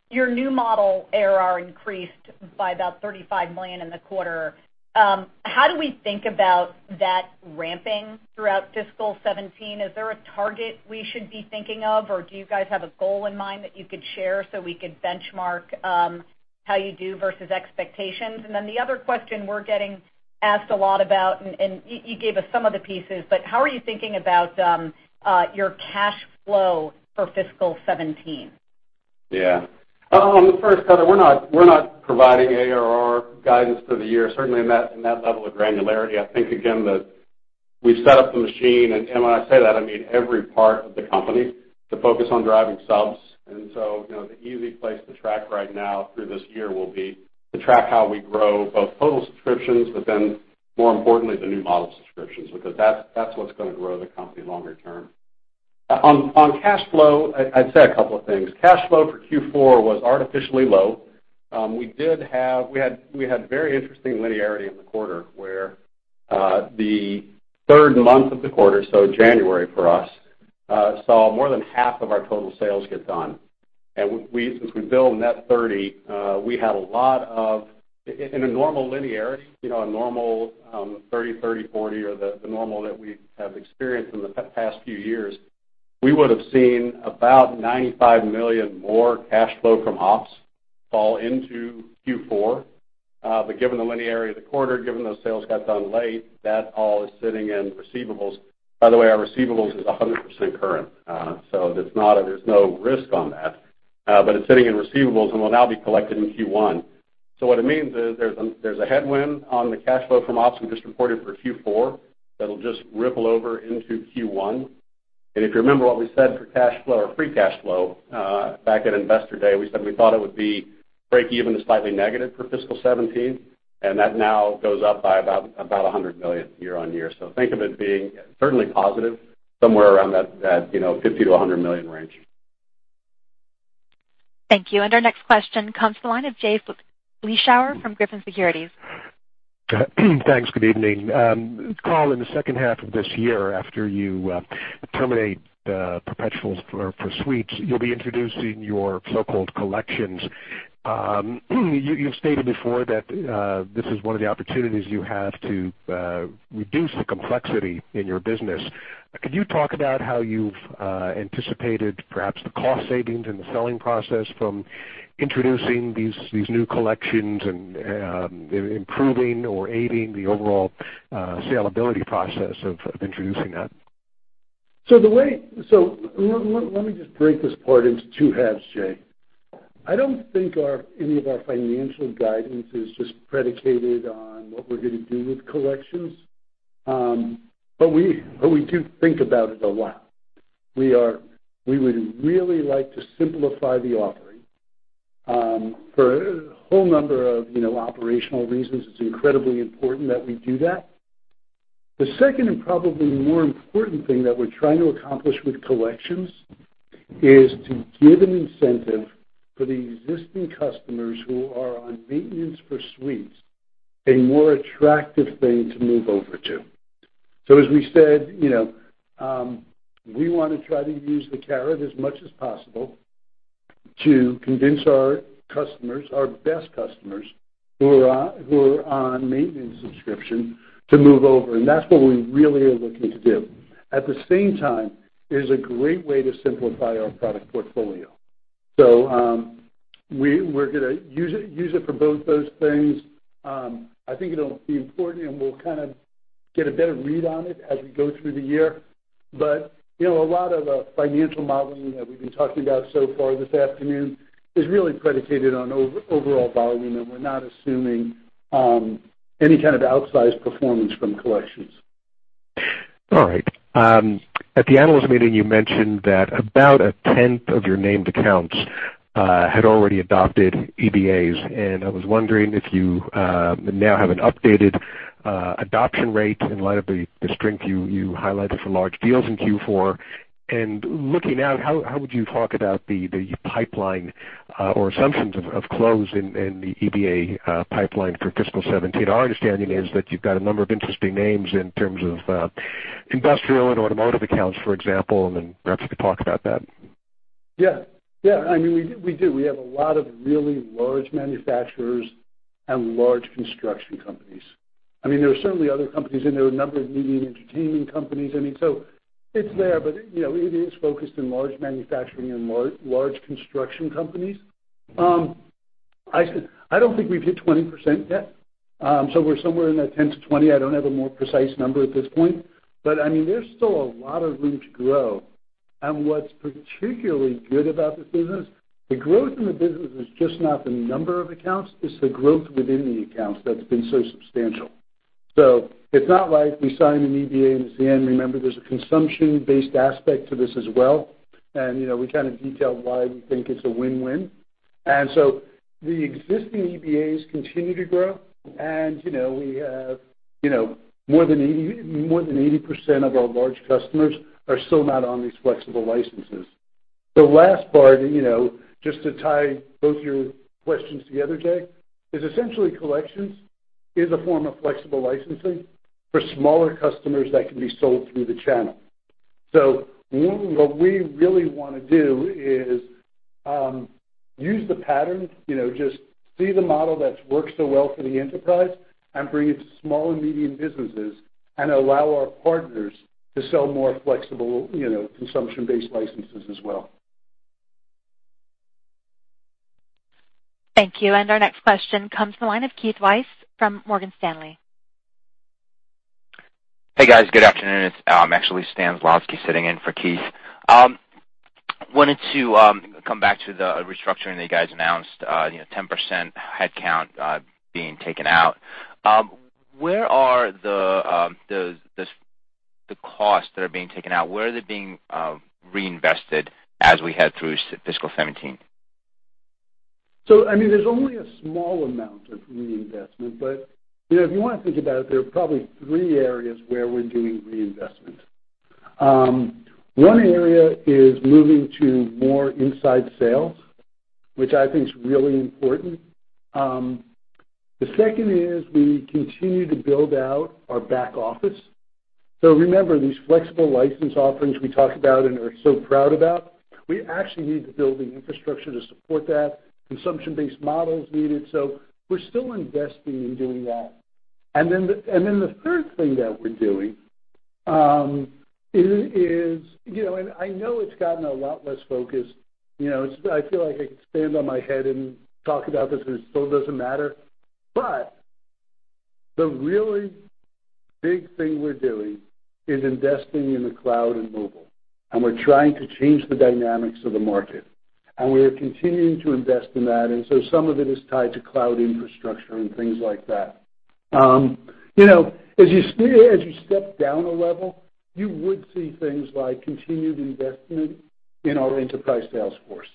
Your new model ARR increased by about $35 million in the quarter. How do we think about that ramping throughout fiscal 2017? Is there a target we should be thinking of, or do you guys have a goal in mind that you could share so we could benchmark how you do versus expectations? The other question we're getting asked a lot about, and you gave us some of the pieces, how are you thinking about your cash flow for fiscal 2017? Yeah. On the first, Heather, we're not providing ARR guidance for the year, certainly in that level of granularity. I think, again, that we've set up the machine, and when I say that, I mean every part of the company to focus on driving subs. The easy place to track right now through this year will be to track how we grow both total subscriptions, more importantly, the new model subscriptions, because that's what's going to grow the company longer term. On cash flow, I'd say a couple of things. Cash flow for Q4 was artificially low. We had very interesting linearity in the quarter, where the third month of the quarter, so January for us, saw more than half of our total sales get done. Since we bill net 30, in a normal linearity, a normal 30, 40, or the normal that we have experienced in the past few years, we would have seen about $95 million more cash flow from ops fall into Q4. Given the linearity of the quarter, given those sales got done late, that all is sitting in receivables. By the way, our receivables is 100% current. There's no risk on that. It's sitting in receivables and will now be collected in Q1. What it means is there's a headwind on the cash flow from ops we just reported for Q4 that'll just ripple over into Q1. If you remember what we said for cash flow or free cash flow back at Investor Day, we said we thought it would be break even to slightly negative for fiscal 2017, that now goes up by about $100 million year-on-year. Think of it being certainly positive, somewhere around that $50 million-$100 million range. Thank you. Our next question comes to the line of Jay Vleeschhouwer from Griffin Securities. Thanks. Good evening. Carl, in the second half of this year, after you terminate the perpetuals for Suites, you'll be introducing your so-called Collections. You've stated before that this is one of the opportunities you have to reduce the complexity in your business. Could you talk about how you've anticipated perhaps the cost savings in the selling process from introducing these new Collections and improving or aiding the overall salability process of introducing that? Let me just break this part into two halves, Jay. I don't think any of our financial guidance is just predicated on what we're going to do with Collections, but we do think about it a lot. We would really like to simplify the offering. For a whole number of operational reasons, it's incredibly important that we do that. The second, and probably more important thing that we're trying to accomplish with Collections is to give an incentive for the existing customers who are on maintenance for Suites a more attractive thing to move over to. As we said, we want to try to use the carrot as much as possible to convince our best customers who are on maintenance subscription to move over, and that's what we really are looking to do. At the same time, it is a great way to simplify our product portfolio. We're going to use it for both those things. I think it'll be important, and we'll get a better read on it as we go through the year. A lot of financial modeling that we've been talking about so far this afternoon is really predicated on overall volume, and we're not assuming any kind of outsized performance from Collections. At the analyst meeting, you mentioned that about a tenth of your named accounts had already adopted EBAs. I was wondering if you now have an updated adoption rate in light of the strength you highlighted for large deals in Q4. Looking out, how would you talk about the pipeline or assumptions of close in the EBA pipeline for fiscal 2017? Our understanding is that you've got a number of interesting names in terms of industrial and automotive accounts, for example, and then perhaps you could talk about that. Yeah. We do. We have a lot of really large manufacturers and large construction companies. There are certainly other companies in there, a number of medium entertainment companies. It's there, but it is focused on large manufacturing and large construction companies. I don't think we've hit 20% yet. We're somewhere in that 10%-20%. I don't have a more precise number at this point, but there's still a lot of room to grow. What's particularly good about this business, the growth in the business is just not the number of accounts, it's the growth within the accounts that's been so substantial. It's not like we sign an EBA, and it's the end. Remember, there's a consumption-based aspect to this as well, and we detailed why we think it's a win-win. The existing EBAs continue to grow, and we have more than 80% of our large customers are still not on these flexible licenses. The last part, just to tie both your questions together, Jay, is essentially Collections is a form of flexible licensing for smaller customers that can be sold through the channel. What we really want to do is use the pattern, just see the model that's worked so well for the enterprise and bring it to small and medium businesses and allow our partners to sell more flexible, consumption-based licenses as well. Thank you. Our next question comes from the line of Keith Weiss from Morgan Stanley. Hey, guys. Good afternoon. It's actually Stan Zlotsky sitting in for Keith. I wanted to come back to the restructuring that you guys announced, 10% headcount being taken out. Where are the costs that are being taken out? Where are they being reinvested as we head through fiscal 2017? There's only a small amount of reinvestment. If you want to think about it, there are probably three areas where we're doing reinvestment. One area is moving to more inside sales, which I think is really important. The second is we continue to build out our back office. Remember, these flexible license offerings we talk about and are so proud about, we actually need to build the infrastructure to support that. Consumption-based model is needed. We're still investing in doing that. The third thing that we're doing is, I know it's gotten a lot less focus. I feel like I could stand on my head and talk about this, and it still doesn't matter. The really big thing we're doing is investing in the cloud and mobile, and we're trying to change the dynamics of the market, and we are continuing to invest in that. Some of it is tied to cloud infrastructure and things like that. As you step down a level, you would see things like continued investment in our enterprise sales force,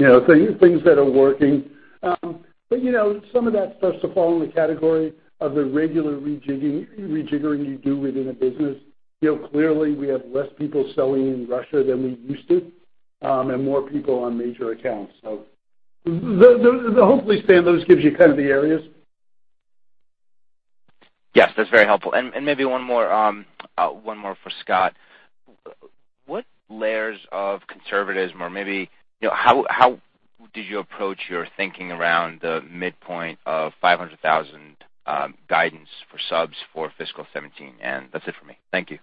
things that are working. Some of that stuff will fall in the category of the regular rejiggering you do within a business. Clearly, we have less people selling in Russia than we used to, and more people on major accounts. Hopefully, Stan, those gives you the areas. Yes, that's very helpful. Maybe one more for Scott. What layers of conservatism, or maybe how did you approach your thinking around the midpoint of 500,000 guidance for subs for fiscal 2017? That's it for me. Thank you.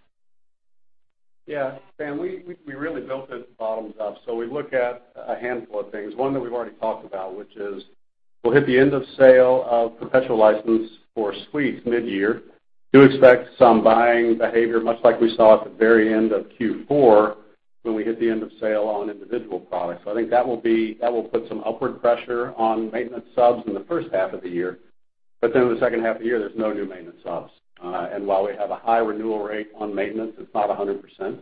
Stan, we really built this bottoms up. We look at a handful of things. One that we have already talked about, which is we will hit the end of sale of professional license for Suites mid-year. We do expect some buying behavior, much like we saw at the very end of Q4 when we hit the end of sale on individual products. I think that will put some upward pressure on maintenance subs in the first half of the year. In the second half of the year, there is no new maintenance subs. While we have a high renewal rate on maintenance, it is not 100%.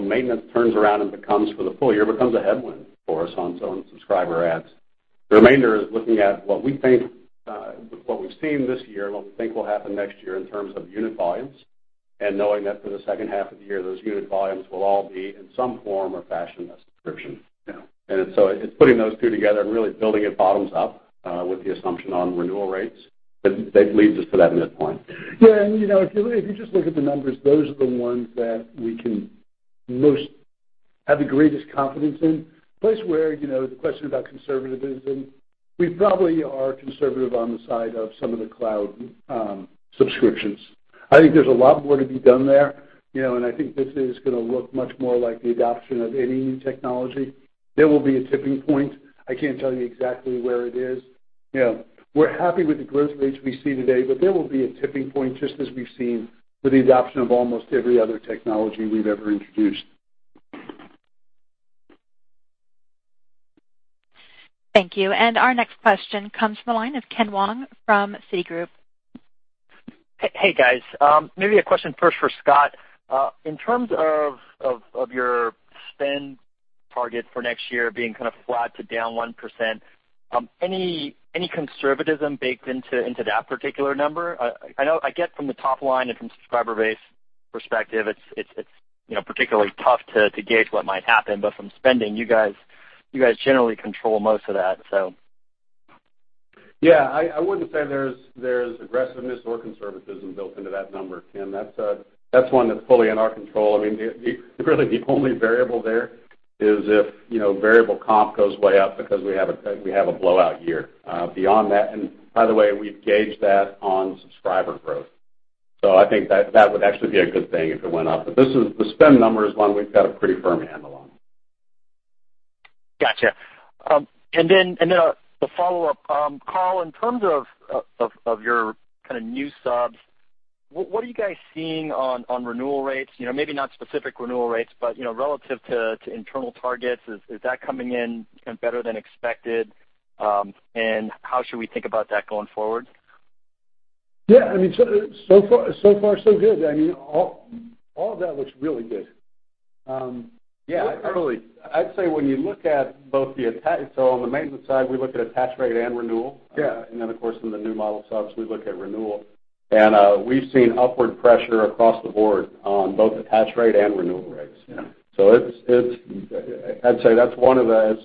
Maintenance turns around and becomes for the full year, becomes a headwind for us on some subscriber adds. The remainder is looking at what we have seen this year, what we think will happen next year in terms of unit volumes, knowing that for the second half of the year, those unit volumes will all be in some form or fashion a subscription. It is putting those two together and really building it bottoms up, with the assumption on renewal rates that leads us to that midpoint. If you just look at the numbers, those are the ones that we can most have the greatest confidence in. Place where, the question about conservatism, we probably are conservative on the side of some of the cloud subscriptions. I think there is a lot more to be done there, I think this is going to look much more like the adoption of any new technology. There will be a tipping point. I cannot tell you exactly where it is. We are happy with the growth rates we see today, there will be a tipping point, just as we have seen with the adoption of almost every other technology we have ever introduced. Thank you. Our next question comes from the line of Ken Wong from Citigroup. Hey, guys. Maybe a question first for Scott. In terms of your spend target for next year being kind of flat to down 1%, any conservatism baked into that particular number? I get from the top line and from subscriber base perspective, it's particularly tough to gauge what might happen, but from spending, you guys generally control most of that. Yeah, I wouldn't say there's aggressiveness or conservatism built into that number, Ken. That's one that's fully in our control. Really, the only variable there is if variable comp goes way up because we have a blowout year. Beyond that, and by the way, we've gauged that on subscriber growth. I think that would actually be a good thing if it went up. The spend number is one we've got a pretty firm handle on. Gotcha. Then the follow-up, Carl, in terms of your kind of new subs, what are you guys seeing on renewal rates? Maybe not specific renewal rates, but relative to internal targets, is that coming in kind of better than expected? How should we think about that going forward? Yeah. So far so good. All of that looks really good. I'd say when you look at both the on the maintenance side, we look at attach rate and renewal. Yeah. Then, of course, from the new model subs, we look at renewal. We've seen upward pressure across the board on both attach rate and renewal rates. Yeah. I'd say that's one of the,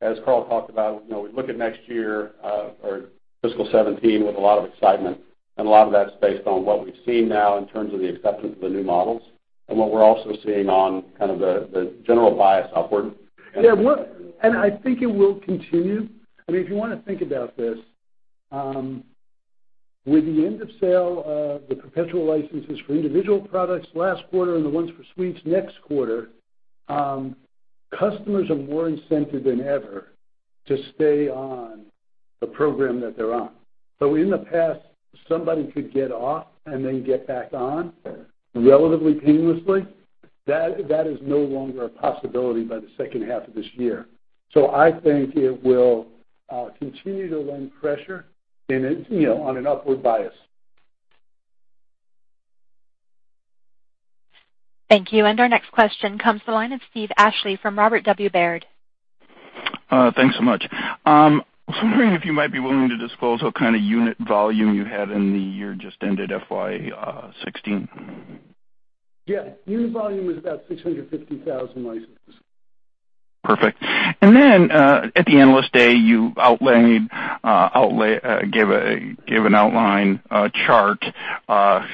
as Carl talked about, we look at next year or fiscal 2017 with a lot of excitement, a lot of that's based on what we've seen now in terms of the acceptance of the new models and what we're also seeing on kind of the general bias upward. I think it will continue. If you want to think about this, with the end of sale of the perpetual licenses for individual products last quarter and the ones for Suites next quarter, customers are more incented than ever to stay on the program that they're on. In the past, somebody could get off and then get back on relatively painlessly. That is no longer a possibility by the second half of this year. I think it will continue to lend pressure on an upward bias. Thank you. Our next question comes the line of Steven Ashley from Robert W. Baird. Thanks so much. I was wondering if you might be willing to disclose what kind of unit volume you had in the year just ended, FY 2016. Yeah. Unit volume is about 650,000 licenses. Perfect. Then, at the Analyst Day, you gave an outline chart,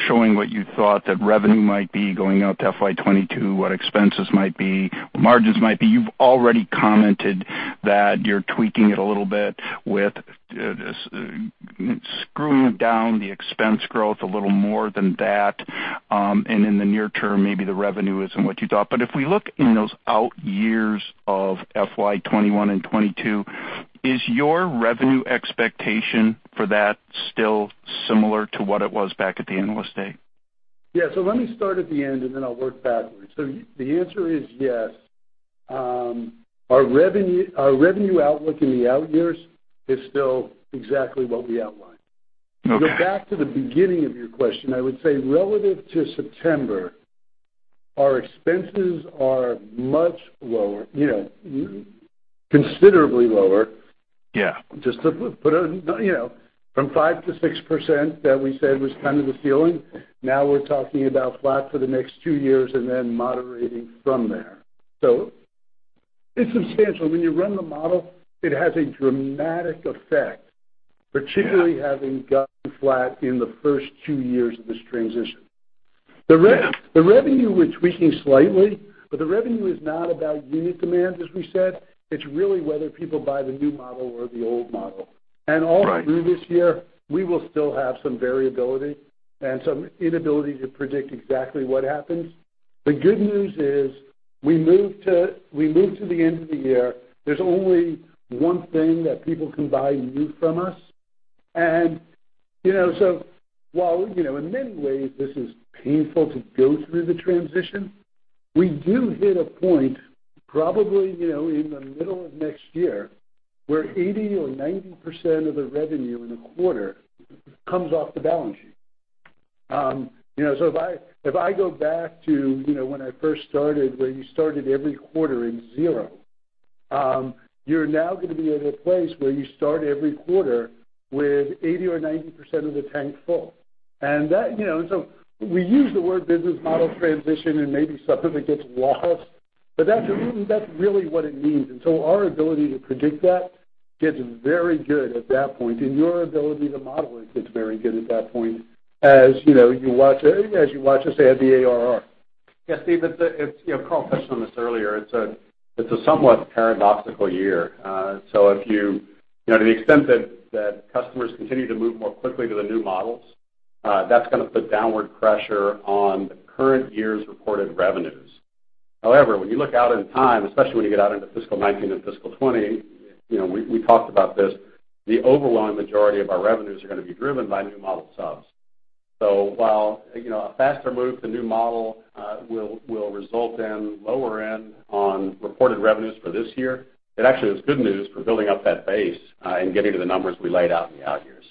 showing what you thought that revenue might be going out to FY 2022, what expenses might be, what margins might be. You've already commented that you're tweaking it a little bit with screwing down the expense growth a little more than that, and in the near term, maybe the revenue isn't what you thought. If we look in those out years of FY 2021 and 2022, is your revenue expectation for that still similar to what it was back at the Analyst Day? Yes. Let me start at the end, and then I'll work backwards. The answer is yes. Our revenue outlook in the out years is still exactly what we outlined. Okay. To go back to the beginning of your question, I would say relative to September, our expenses are much lower, considerably lower. Yeah. From 5%-6% that we said was kind of the ceiling, now we're talking about flat for the next 2 years and then moderating from there. It's substantial. When you run the model, it has a dramatic effect, particularly having gone flat in the first 2 years of this transition. Yeah. The revenue, we're tweaking slightly, the revenue is not about unit demand, as we said. It's really whether people buy the new model or the old model. Right. All through this year, we will still have some variability and some inability to predict exactly what happens. The good news is we move to the end of the year. There's only one thing that people can buy new from us. While in many ways this is painful to go through the transition, we do hit a point probably in the middle of next year where 80% or 90% of the revenue in the quarter comes off the balance sheet. If I go back to when I first started, where you started every quarter in zero, you're now going to be at a place where you start every quarter with 80% or 90% of the tank full. We use the word business model transition, and maybe sometimes it gets lost, but that's really what it means. Our ability to predict that gets very good at that point, and your ability to model it gets very good at that point, as you watch, say, the ARR. Yeah, Steve, Carl touched on this earlier. It's a somewhat paradoxical year. To the extent that customers continue to move more quickly to the new models, that's going to put downward pressure on the current year's reported revenues. However, when you look out in time, especially when you get out into fiscal 2019 and fiscal 2020, we talked about this, the overwhelming majority of our revenues are going to be driven by new model subs. While a faster move to new model will result in lower end on reported revenues for this year, it actually is good news for building up that base and getting to the numbers we laid out in the out years.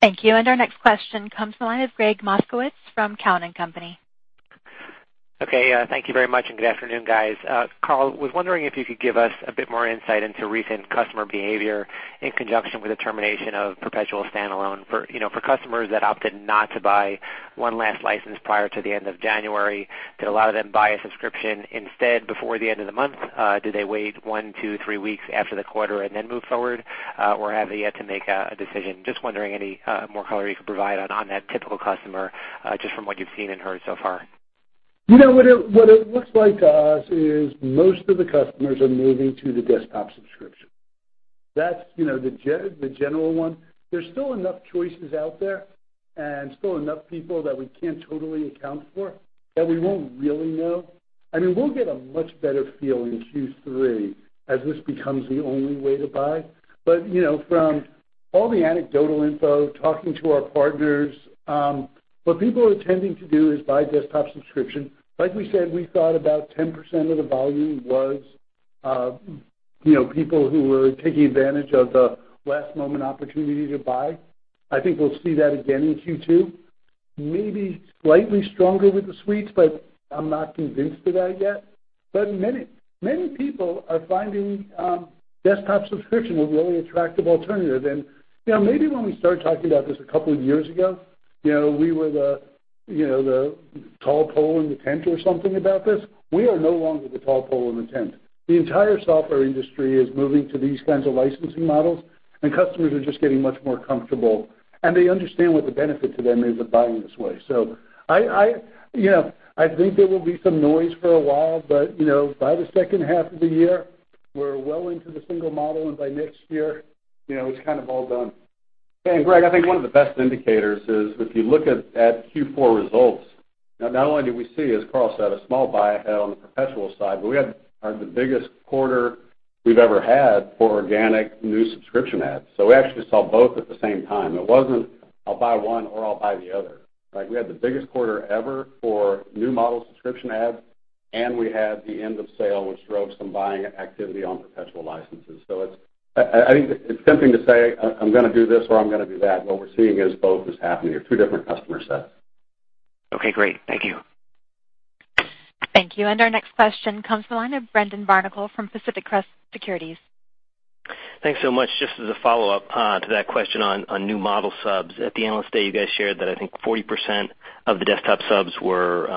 Thank you. Our next question comes from the line of Gregg Moskowitz from Cowen and Company. Okay. Thank you very much, and good afternoon, guys. Carl, was wondering if you could give us a bit more insight into recent customer behavior in conjunction with the termination of perpetual standalone. For customers that opted not to buy one last license prior to the end of January, did a lot of them buy a subscription instead before the end of the month? Did they wait one, two, three weeks after the quarter and then move forward? Have they yet to make a decision? Just wondering any more color you could provide on that typical customer, just from what you've seen and heard so far. What it looks like to us is most of the customers are moving to the desktop subscription. That's the general one. There's still enough choices out there and still enough people that we can't totally account for, that we won't really know. We'll get a much better feel in Q3 as this becomes the only way to buy. From all the anecdotal info, talking to our partners, what people are tending to do is buy desktop subscription. Like we said, we thought about 10% of the volume was people who were taking advantage of the last moment opportunity to buy. I think we'll see that again in Q2, maybe slightly stronger with the Suites, I'm not convinced of that yet. Many people are finding desktop subscription a really attractive alternative. Maybe when we started talking about this a couple of years ago, we were the tall pole in the tent or something about this. We are no longer the tall pole in the tent. The entire software industry is moving to these kinds of licensing models, and customers are just getting much more comfortable, and they understand what the benefit to them is of buying this way. I think there will be some noise for a while, by the second half of the year, we're well into the single model, by next year, it's kind of all done. Gregg, I think one of the best indicators is if you look at Q4 results, not only do we see, as Carl said, a small buy ahead on the perpetual side, we had the biggest quarter we've ever had for organic new subscription adds. We actually saw both at the same time. It wasn't, I'll buy one or I'll buy the other. We had the biggest quarter ever for new model subscription adds, and we had the end of sale, which drove some buying activity on perpetual licenses. I think it's tempting to say, I'm going to do this, or I'm going to do that. What we're seeing is both is happening. They're two different customer sets. Okay, great. Thank you. Thank you. Our next question comes from the line of Brendan Barnicle from Pacific Crest Securities. Thanks so much. Just as a follow-up to that question on new model subs. At the Analyst Day, you guys shared that I think 40% of the desktop subs were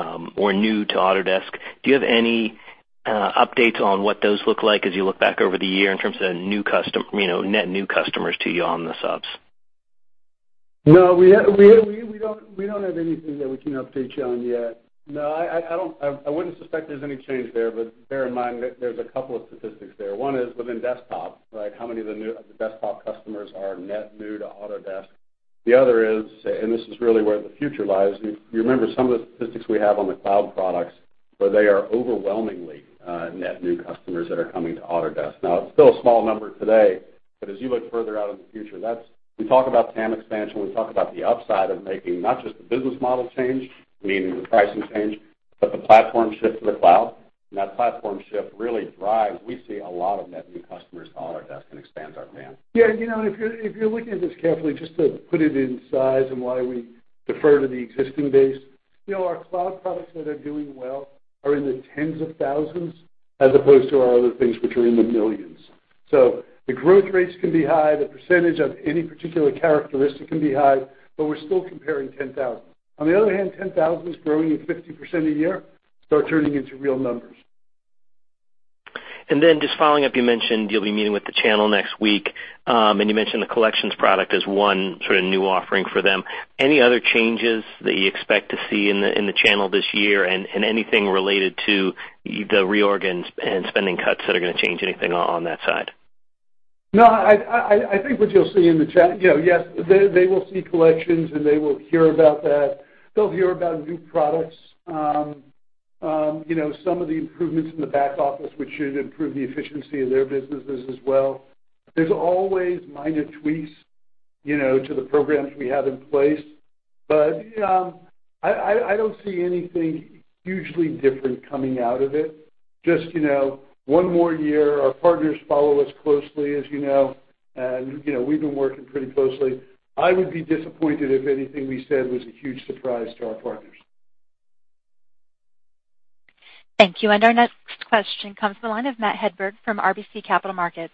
new to Autodesk. Do you have any updates on what those look like as you look back over the year in terms of net new customers to you on the subs? No, we don't have anything that we can update you on yet. No, I wouldn't suspect there's any change there, but bear in mind that there's a couple of statistics there. One is within desktop, how many of the desktop customers are net new to Autodesk? The other is, this is really where the future lies, you remember some of the statistics we have on the cloud products where they are overwhelmingly net new customers that are coming to Autodesk. It's still a small number today, but as you look further out in the future, we talk about TAM expansion. We talk about the upside of making not just the business model change, meaning the pricing change, but the platform shift to the cloud. That platform shift really drives. We see a lot of net new customers to Autodesk and expands our TAM. Yeah. If you're looking at this carefully, just to put it in size and why we defer to the existing base, our cloud products that are doing well are in the tens of thousands, as opposed to our other things, which are in the millions. The growth rates can be high, the percentage of any particular characteristic can be high, but we're still comparing 10,000. On the other hand, 10,000 is growing at 50% a year, start turning into real numbers. Then just following up, you mentioned you'll be meeting with the channel next week. You mentioned the Collections product as one sort of new offering for them. Any other changes that you expect to see in the channel this year, and anything related to the reorg and spending cuts that are going to change anything on that side? No, I think what you'll see in the channel, yes, they will see Collections, and they will hear about that. They'll hear about new products. Some of the improvements in the back office, which should improve the efficiency of their businesses as well. There's always minor tweaks to the programs we have in place. I don't see anything hugely different coming out of it. Just one more year. Our partners follow us closely, as you know, and we've been working pretty closely. I would be disappointed if anything we said was a huge surprise to our partners. Thank you. Our next question comes from the line of Matt Hedberg from RBC Capital Markets.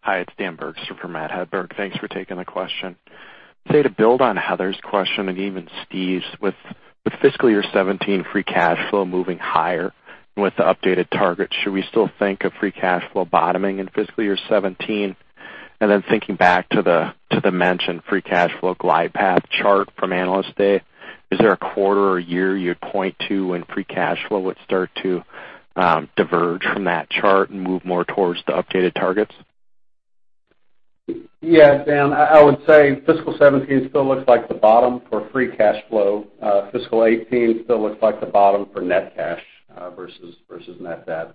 Hi, it's Dan Bergstrom for Matt Hedberg. Thanks for taking the question. To build on Heather's question and even Steve's, with fiscal year 2017 free cash flow moving higher with the updated targets, should we still think of free cash flow bottoming in fiscal year 2017? Then thinking back to the mentioned free cash flow glide path chart from Analyst Day, is there a quarter or year you'd point to when free cash flow would start to diverge from that chart and move more towards the updated targets? Dan, I would say fiscal 2017 still looks like the bottom for free cash flow. Fiscal 2018 still looks like the bottom for net cash versus net debt.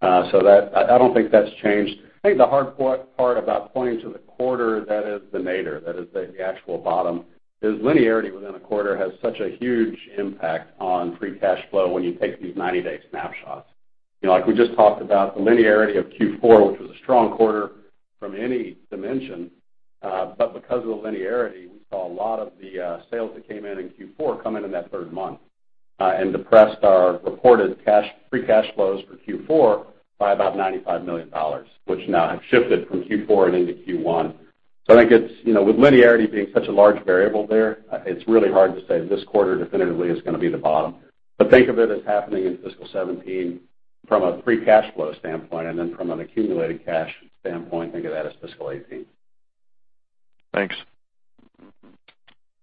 I don't think that's changed. I think the hard part about pointing to the quarter that is the nadir, that is the actual bottom, is linearity within a quarter has such a huge impact on free cash flow when you take these 90-day snapshots. We just talked about the linearity of Q4, which was a strong quarter from any dimension. Because of the linearity, we saw a lot of the sales that came in in Q4 come in in that third month, and depressed our reported free cash flows for Q4 by about $95 million, which now have shifted from Q4 and into Q1. I think with linearity being such a large variable there, it's really hard to say this quarter definitively is going to be the bottom. Think of it as happening in fiscal 2017 from a free cash flow standpoint, and then from an accumulated cash standpoint, think of that as fiscal 2018. Thanks.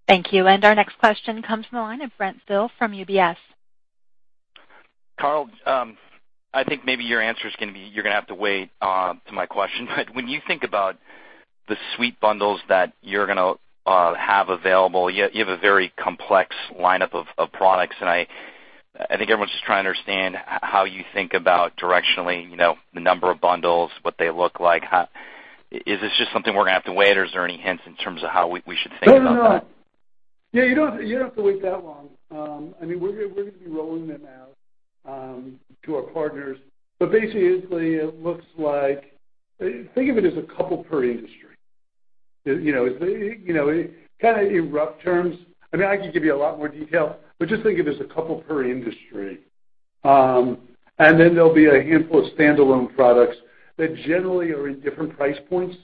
Thank you. Our next question comes from the line of Brent Thill from UBS. Carl, I think maybe your answer is going to be, you're going to have to wait to my question. When you think about the suite bundles that you're going to have available, you have a very complex lineup of products, and I think everyone's just trying to understand how you think about directionally, the number of bundles, what they look like. Is this just something we're going to have to wait, or is there any hints in terms of how we should think about that? No, you don't have to wait that long. We're going to be rolling them out to our partners. Basically, it looks like think of it as a couple per industry. Kind of in rough terms. I could give you a lot more detail, but just think of it as a couple per industry. Then there'll be a handful of standalone products that generally are in different price points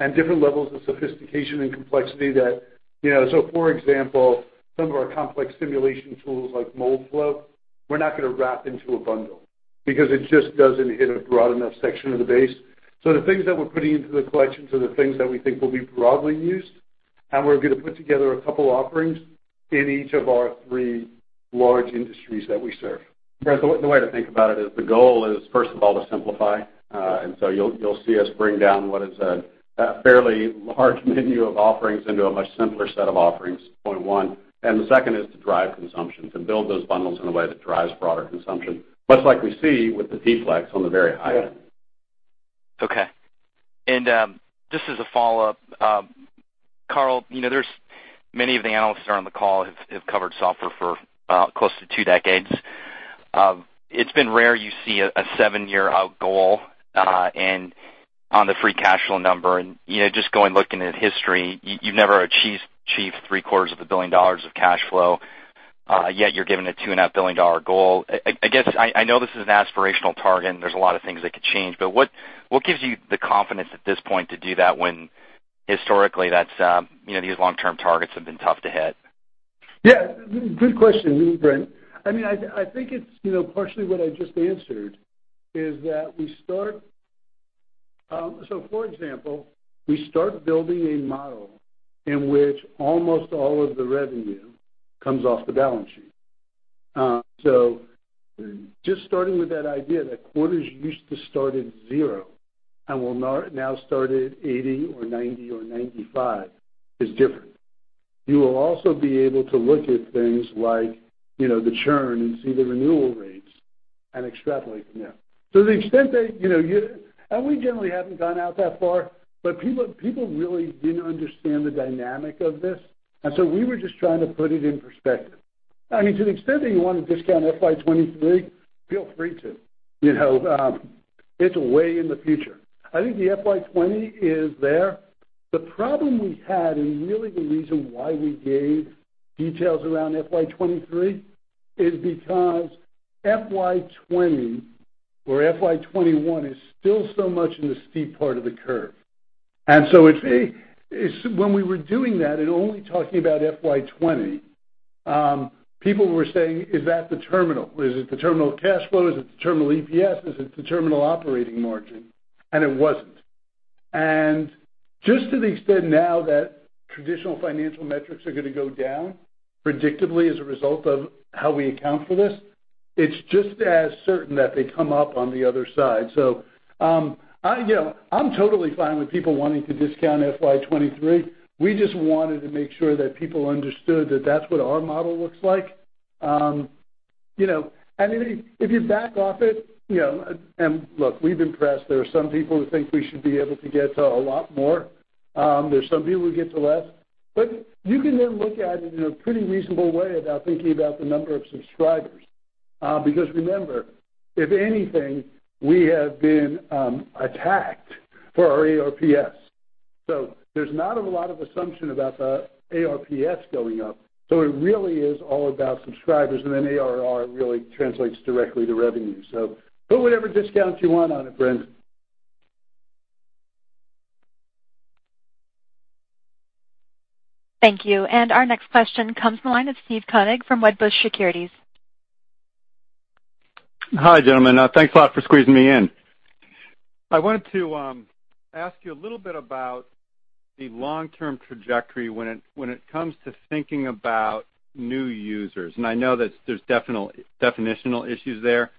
and different levels of sophistication and complexity. For example, some of our complex simulation tools like Moldflow, we're not going to wrap into a bundle because it just doesn't hit a broad enough section of the base. The things that we're putting into the Collections are the things that we think will be broadly used, and we're going to put together a couple offerings in each of our three large industries that we serve. Brent, the way to think about it is the goal is, first of all, to simplify. You'll see us bring down what is a fairly large menu of offerings into a much simpler set of offerings, point one. The second is to drive consumption, to build those bundles in a way that drives broader consumption, much like we see with the Token Flex on the very high end. Yeah. Okay. Just as a follow-up. Carl, many of the analysts that are on the call have covered software for close to two decades. It's been rare you see a seven-year-out goal, on the free cash flow number, just going looking at history, you've never achieved three-quarters of a billion dollars of cash flow, yet you're given a $2.5 billion goal. I know this is an aspirational target, there's a lot of things that could change, but what gives you the confidence at this point to do that when historically, these long-term targets have been tough to hit? Yeah. Good question, Brent. I think it's partially what I just answered, is that for example, we start building a model in which almost all of the revenue comes off the balance sheet. Just starting with that idea that quarters used to start at zero and will now start at 80 or 90 or 95 is different. You will also be able to look at things like the churn and see the renewal rates and extrapolate from there. We generally haven't gone out that far, but people really didn't understand the dynamic of this, we were just trying to put it in perspective. To the extent that you want to discount FY 2023, feel free to. It's way in the future. I think the FY 2020 is there. The problem we had, really the reason why we gave details around FY 2023 is because FY 2020 or FY 2021 is still so much in the steep part of the curve. When we were doing that and only talking about FY 2020, people were saying, "Is that the terminal? Is it the terminal cash flow? Is it the terminal EPS? Is it the terminal operating margin?" It wasn't. Just to the extent now that traditional financial metrics are going to go down predictably as a result of how we account for this, it's just as certain that they come up on the other side. I'm totally fine with people wanting to discount FY 2023. We just wanted to make sure that people understood that that's what our model looks like. If you back off it. Look, we've been pressed. There are some people who think we should be able to get to a lot more. There's some people who get to less. You can then look at it in a pretty reasonable way about thinking about the number of subscribers. Remember, if anything, we have been attacked for our ARPS. There's not a lot of assumption about the ARPS going up. It really is all about subscribers, ARR really translates directly to revenue. Put whatever discounts you want on it, Brent. Thank you. Our next question comes from the line of Steve Koenig from Wedbush Securities. Hi, gentlemen. Thanks a lot for squeezing me in. I wanted to ask you a little bit about the long-term trajectory when it comes to thinking about new users. I know that there's definitional issues there.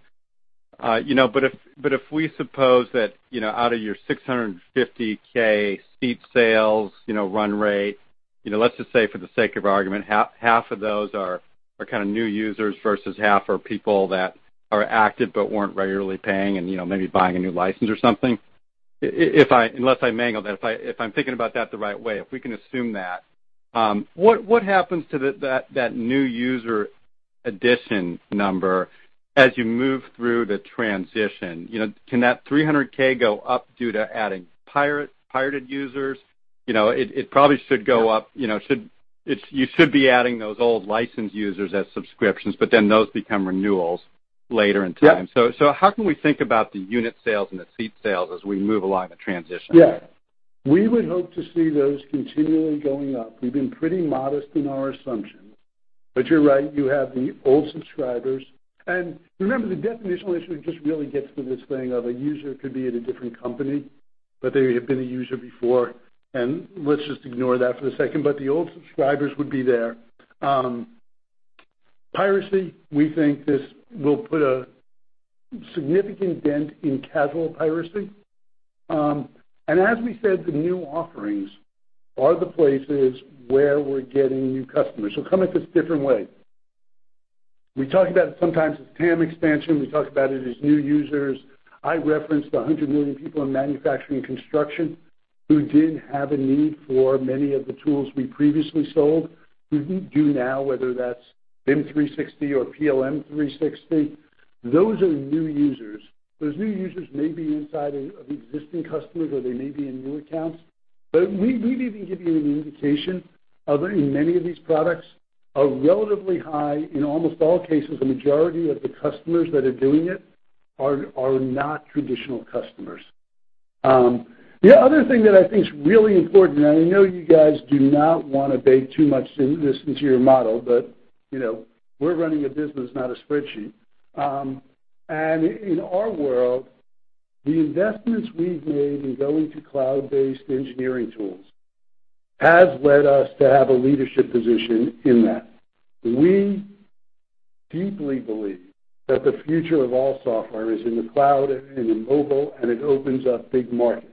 If we suppose that out of your 650,000 seat sales run rate, let's just say for the sake of argument, half of those are kind of new users versus half are people that are active but weren't regularly paying and maybe buying a new license or something. Unless I mangled that, if I'm thinking about that the right way, if we can assume that, what happens to that new user addition number as you move through the transition? Can that 300,000 go up due to adding pirated users? It probably should go up. You should be adding those old licensed users as subscriptions, those become renewals later in time. Yep. How can we think about the unit sales and the seat sales as we move along the transition? Yeah. We would hope to see those continually going up. We've been pretty modest in our assumptions. You're right, you have the old subscribers. Remember, the definitional issue just really gets to this thing of a user could be at a different company, but they have been a user before. Let's just ignore that for a second, but the old subscribers would be there. Piracy, we think this will put a significant dent in casual piracy. As we said, the new offerings are the places where we're getting new customers. Coming at this a different way. We talk about it sometimes as TAM expansion. We talk about it as new users. I referenced the 100 million people in manufacturing construction who did have a need for many of the tools we previously sold, who do now, whether that's BIM 360 or PLM 360. Those are new users. Those new users may be inside of existing customers, or they may be in new accounts. We've even given you an indication of in many of these products are relatively high. In almost all cases, the majority of the customers that are doing it are not traditional customers. The other thing that I think is really important, and I know you guys do not want to bake too much into this, into your model, but we're running a business, not a spreadsheet. In our world, the investments we've made in going to cloud-based engineering tools has led us to have a leadership position in that. We deeply believe that the future of all software is in the cloud and in mobile, and it opens up big markets.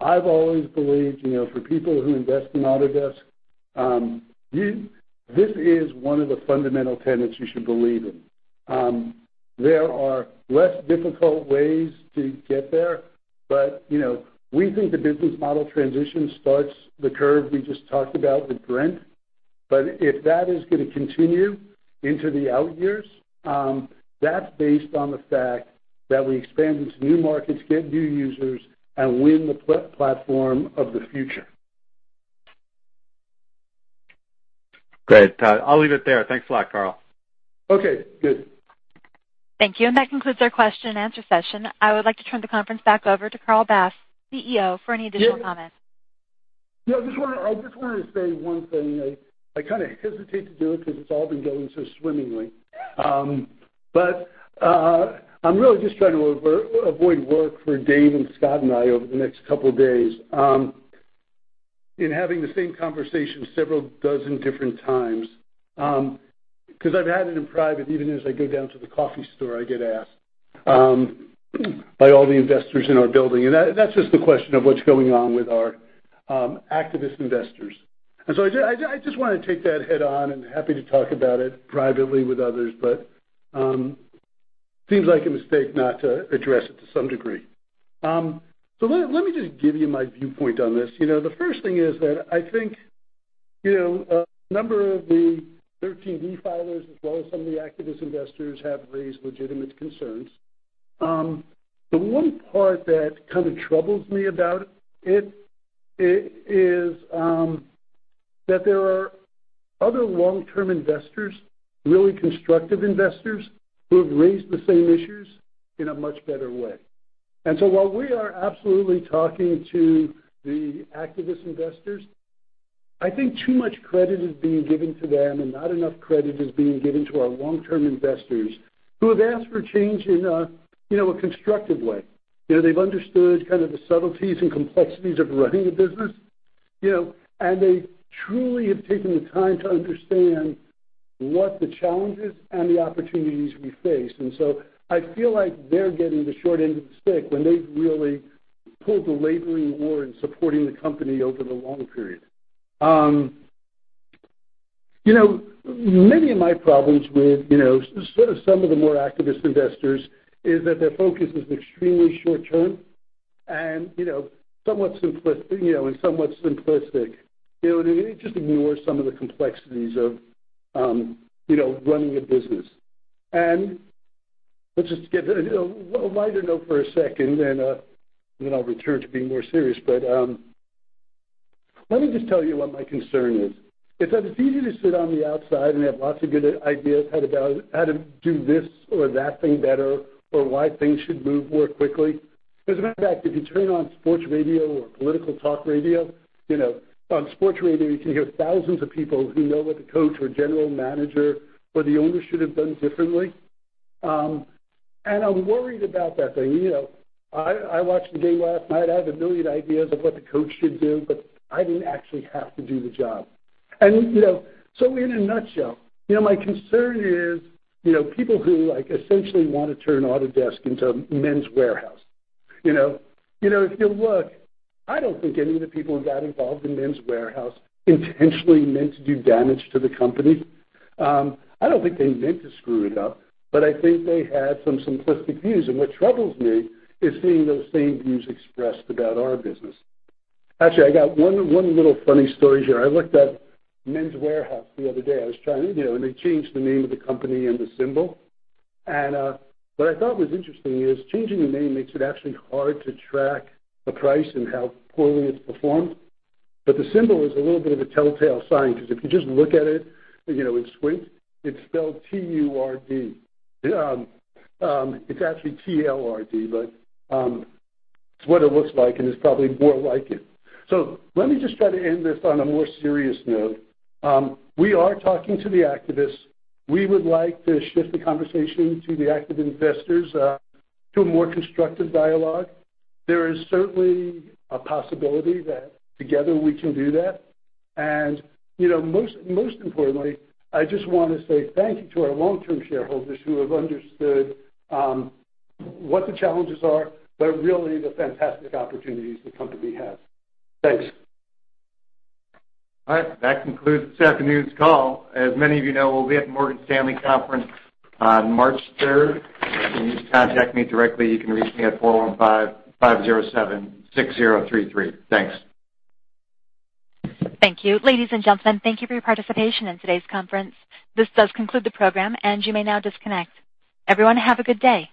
I've always believed, for people who invest in Autodesk, this is one of the fundamental tenets you should believe in. There are less difficult ways to get there, we think the business model transition starts the curve we just talked about with Brent. If that is going to continue into the out years, that's based on the fact that we expand into new markets, get new users, and win the platform of the future. Great. I'll leave it there. Thanks a lot, Carl. Okay, good. Thank you. That concludes our question and answer session. I would like to turn the conference back over to Carl Bass, CEO, for any additional comments. Yeah. I just wanted to say one thing. I kind of hesitate to do it because it's all been going so swimmingly. I'm really just trying to avoid work for Dave and Scott and I over the next couple of days. In having the same conversation several dozen different times, because I've had it in private, even as I go down to the coffee store, I get asked by all the investors in our building. That's just the question of what's going on with our activist investors. I just want to take that head on and happy to talk about it privately with others, but seems like a mistake not to address it to some degree. Let me just give you my viewpoint on this. The first thing is that I think a number of the 13D filers, as well as some of the activist investors, have raised legitimate concerns. The one part that kind of troubles me about it is that there are other long-term investors, really constructive investors, who have raised the same issues in a much better way. While we are absolutely talking to the activist investors, I think too much credit is being given to them and not enough credit is being given to our long-term investors who have asked for change in a constructive way. They've understood kind of the subtleties and complexities of running a business. They truly have taken the time to understand what the challenges and the opportunities we face. I feel like they're getting the short end of the stick when they've really pulled the laboring oar in supporting the company over the long period. Many of my problems with sort of some of the more activist investors is that their focus is extremely short-term and somewhat simplistic. It just ignores some of the complexities of running a business. Let's just get on a lighter note for a second, and then I'll return to being more serious. Let me just tell you what my concern is. It's that it's easy to sit on the outside and have lots of good ideas how to do this or that thing better, or why things should move more quickly. As a matter of fact, if you turn on sports radio or political talk radio, on sports radio, you can hear thousands of people who know what the coach or general manager or the owner should have done differently. I'm worried about that thing. I watched the game last night. I have a million ideas of what the coach should do, but I didn't actually have to do the job. In a nutshell, my concern is people who essentially want to turn Autodesk into a Men's Wearhouse. If you look, I don't think any of the people who got involved in Men's Wearhouse intentionally meant to do damage to the company. I don't think they meant to screw it up, but I think they had some simplistic views. What troubles me is seeing those same views expressed about our business. Actually, I got one little funny story here. I looked at Men's Wearhouse the other day. I was trying. They changed the name of the company and the symbol. What I thought was interesting is changing the name makes it actually hard to track a price and how poorly it's performed. The symbol is a little bit of a telltale sign, because if you just look at it's squint, it's spelled T-U-R-D. It's actually TLRD, but it's what it looks like, and it's probably more like it. Let me just try to end this on a more serious note. We are talking to the activists. We would like to shift the conversation to the active investors to a more constructive dialogue. There is certainly a possibility that together we can do that. Most importantly, I just want to say thank you to our long-term shareholders who have understood what the challenges are, but really the fantastic opportunities the company has. Thanks. All right. That concludes this afternoon's call. As many of you know, we'll be at the Morgan Stanley conference on March 3rd. You can just contact me directly. You can reach me at 415-507-6033. Thanks. Thank you. Ladies and gentlemen, thank you for your participation in today's conference. This does conclude the program, and you may now disconnect. Everyone, have a good day.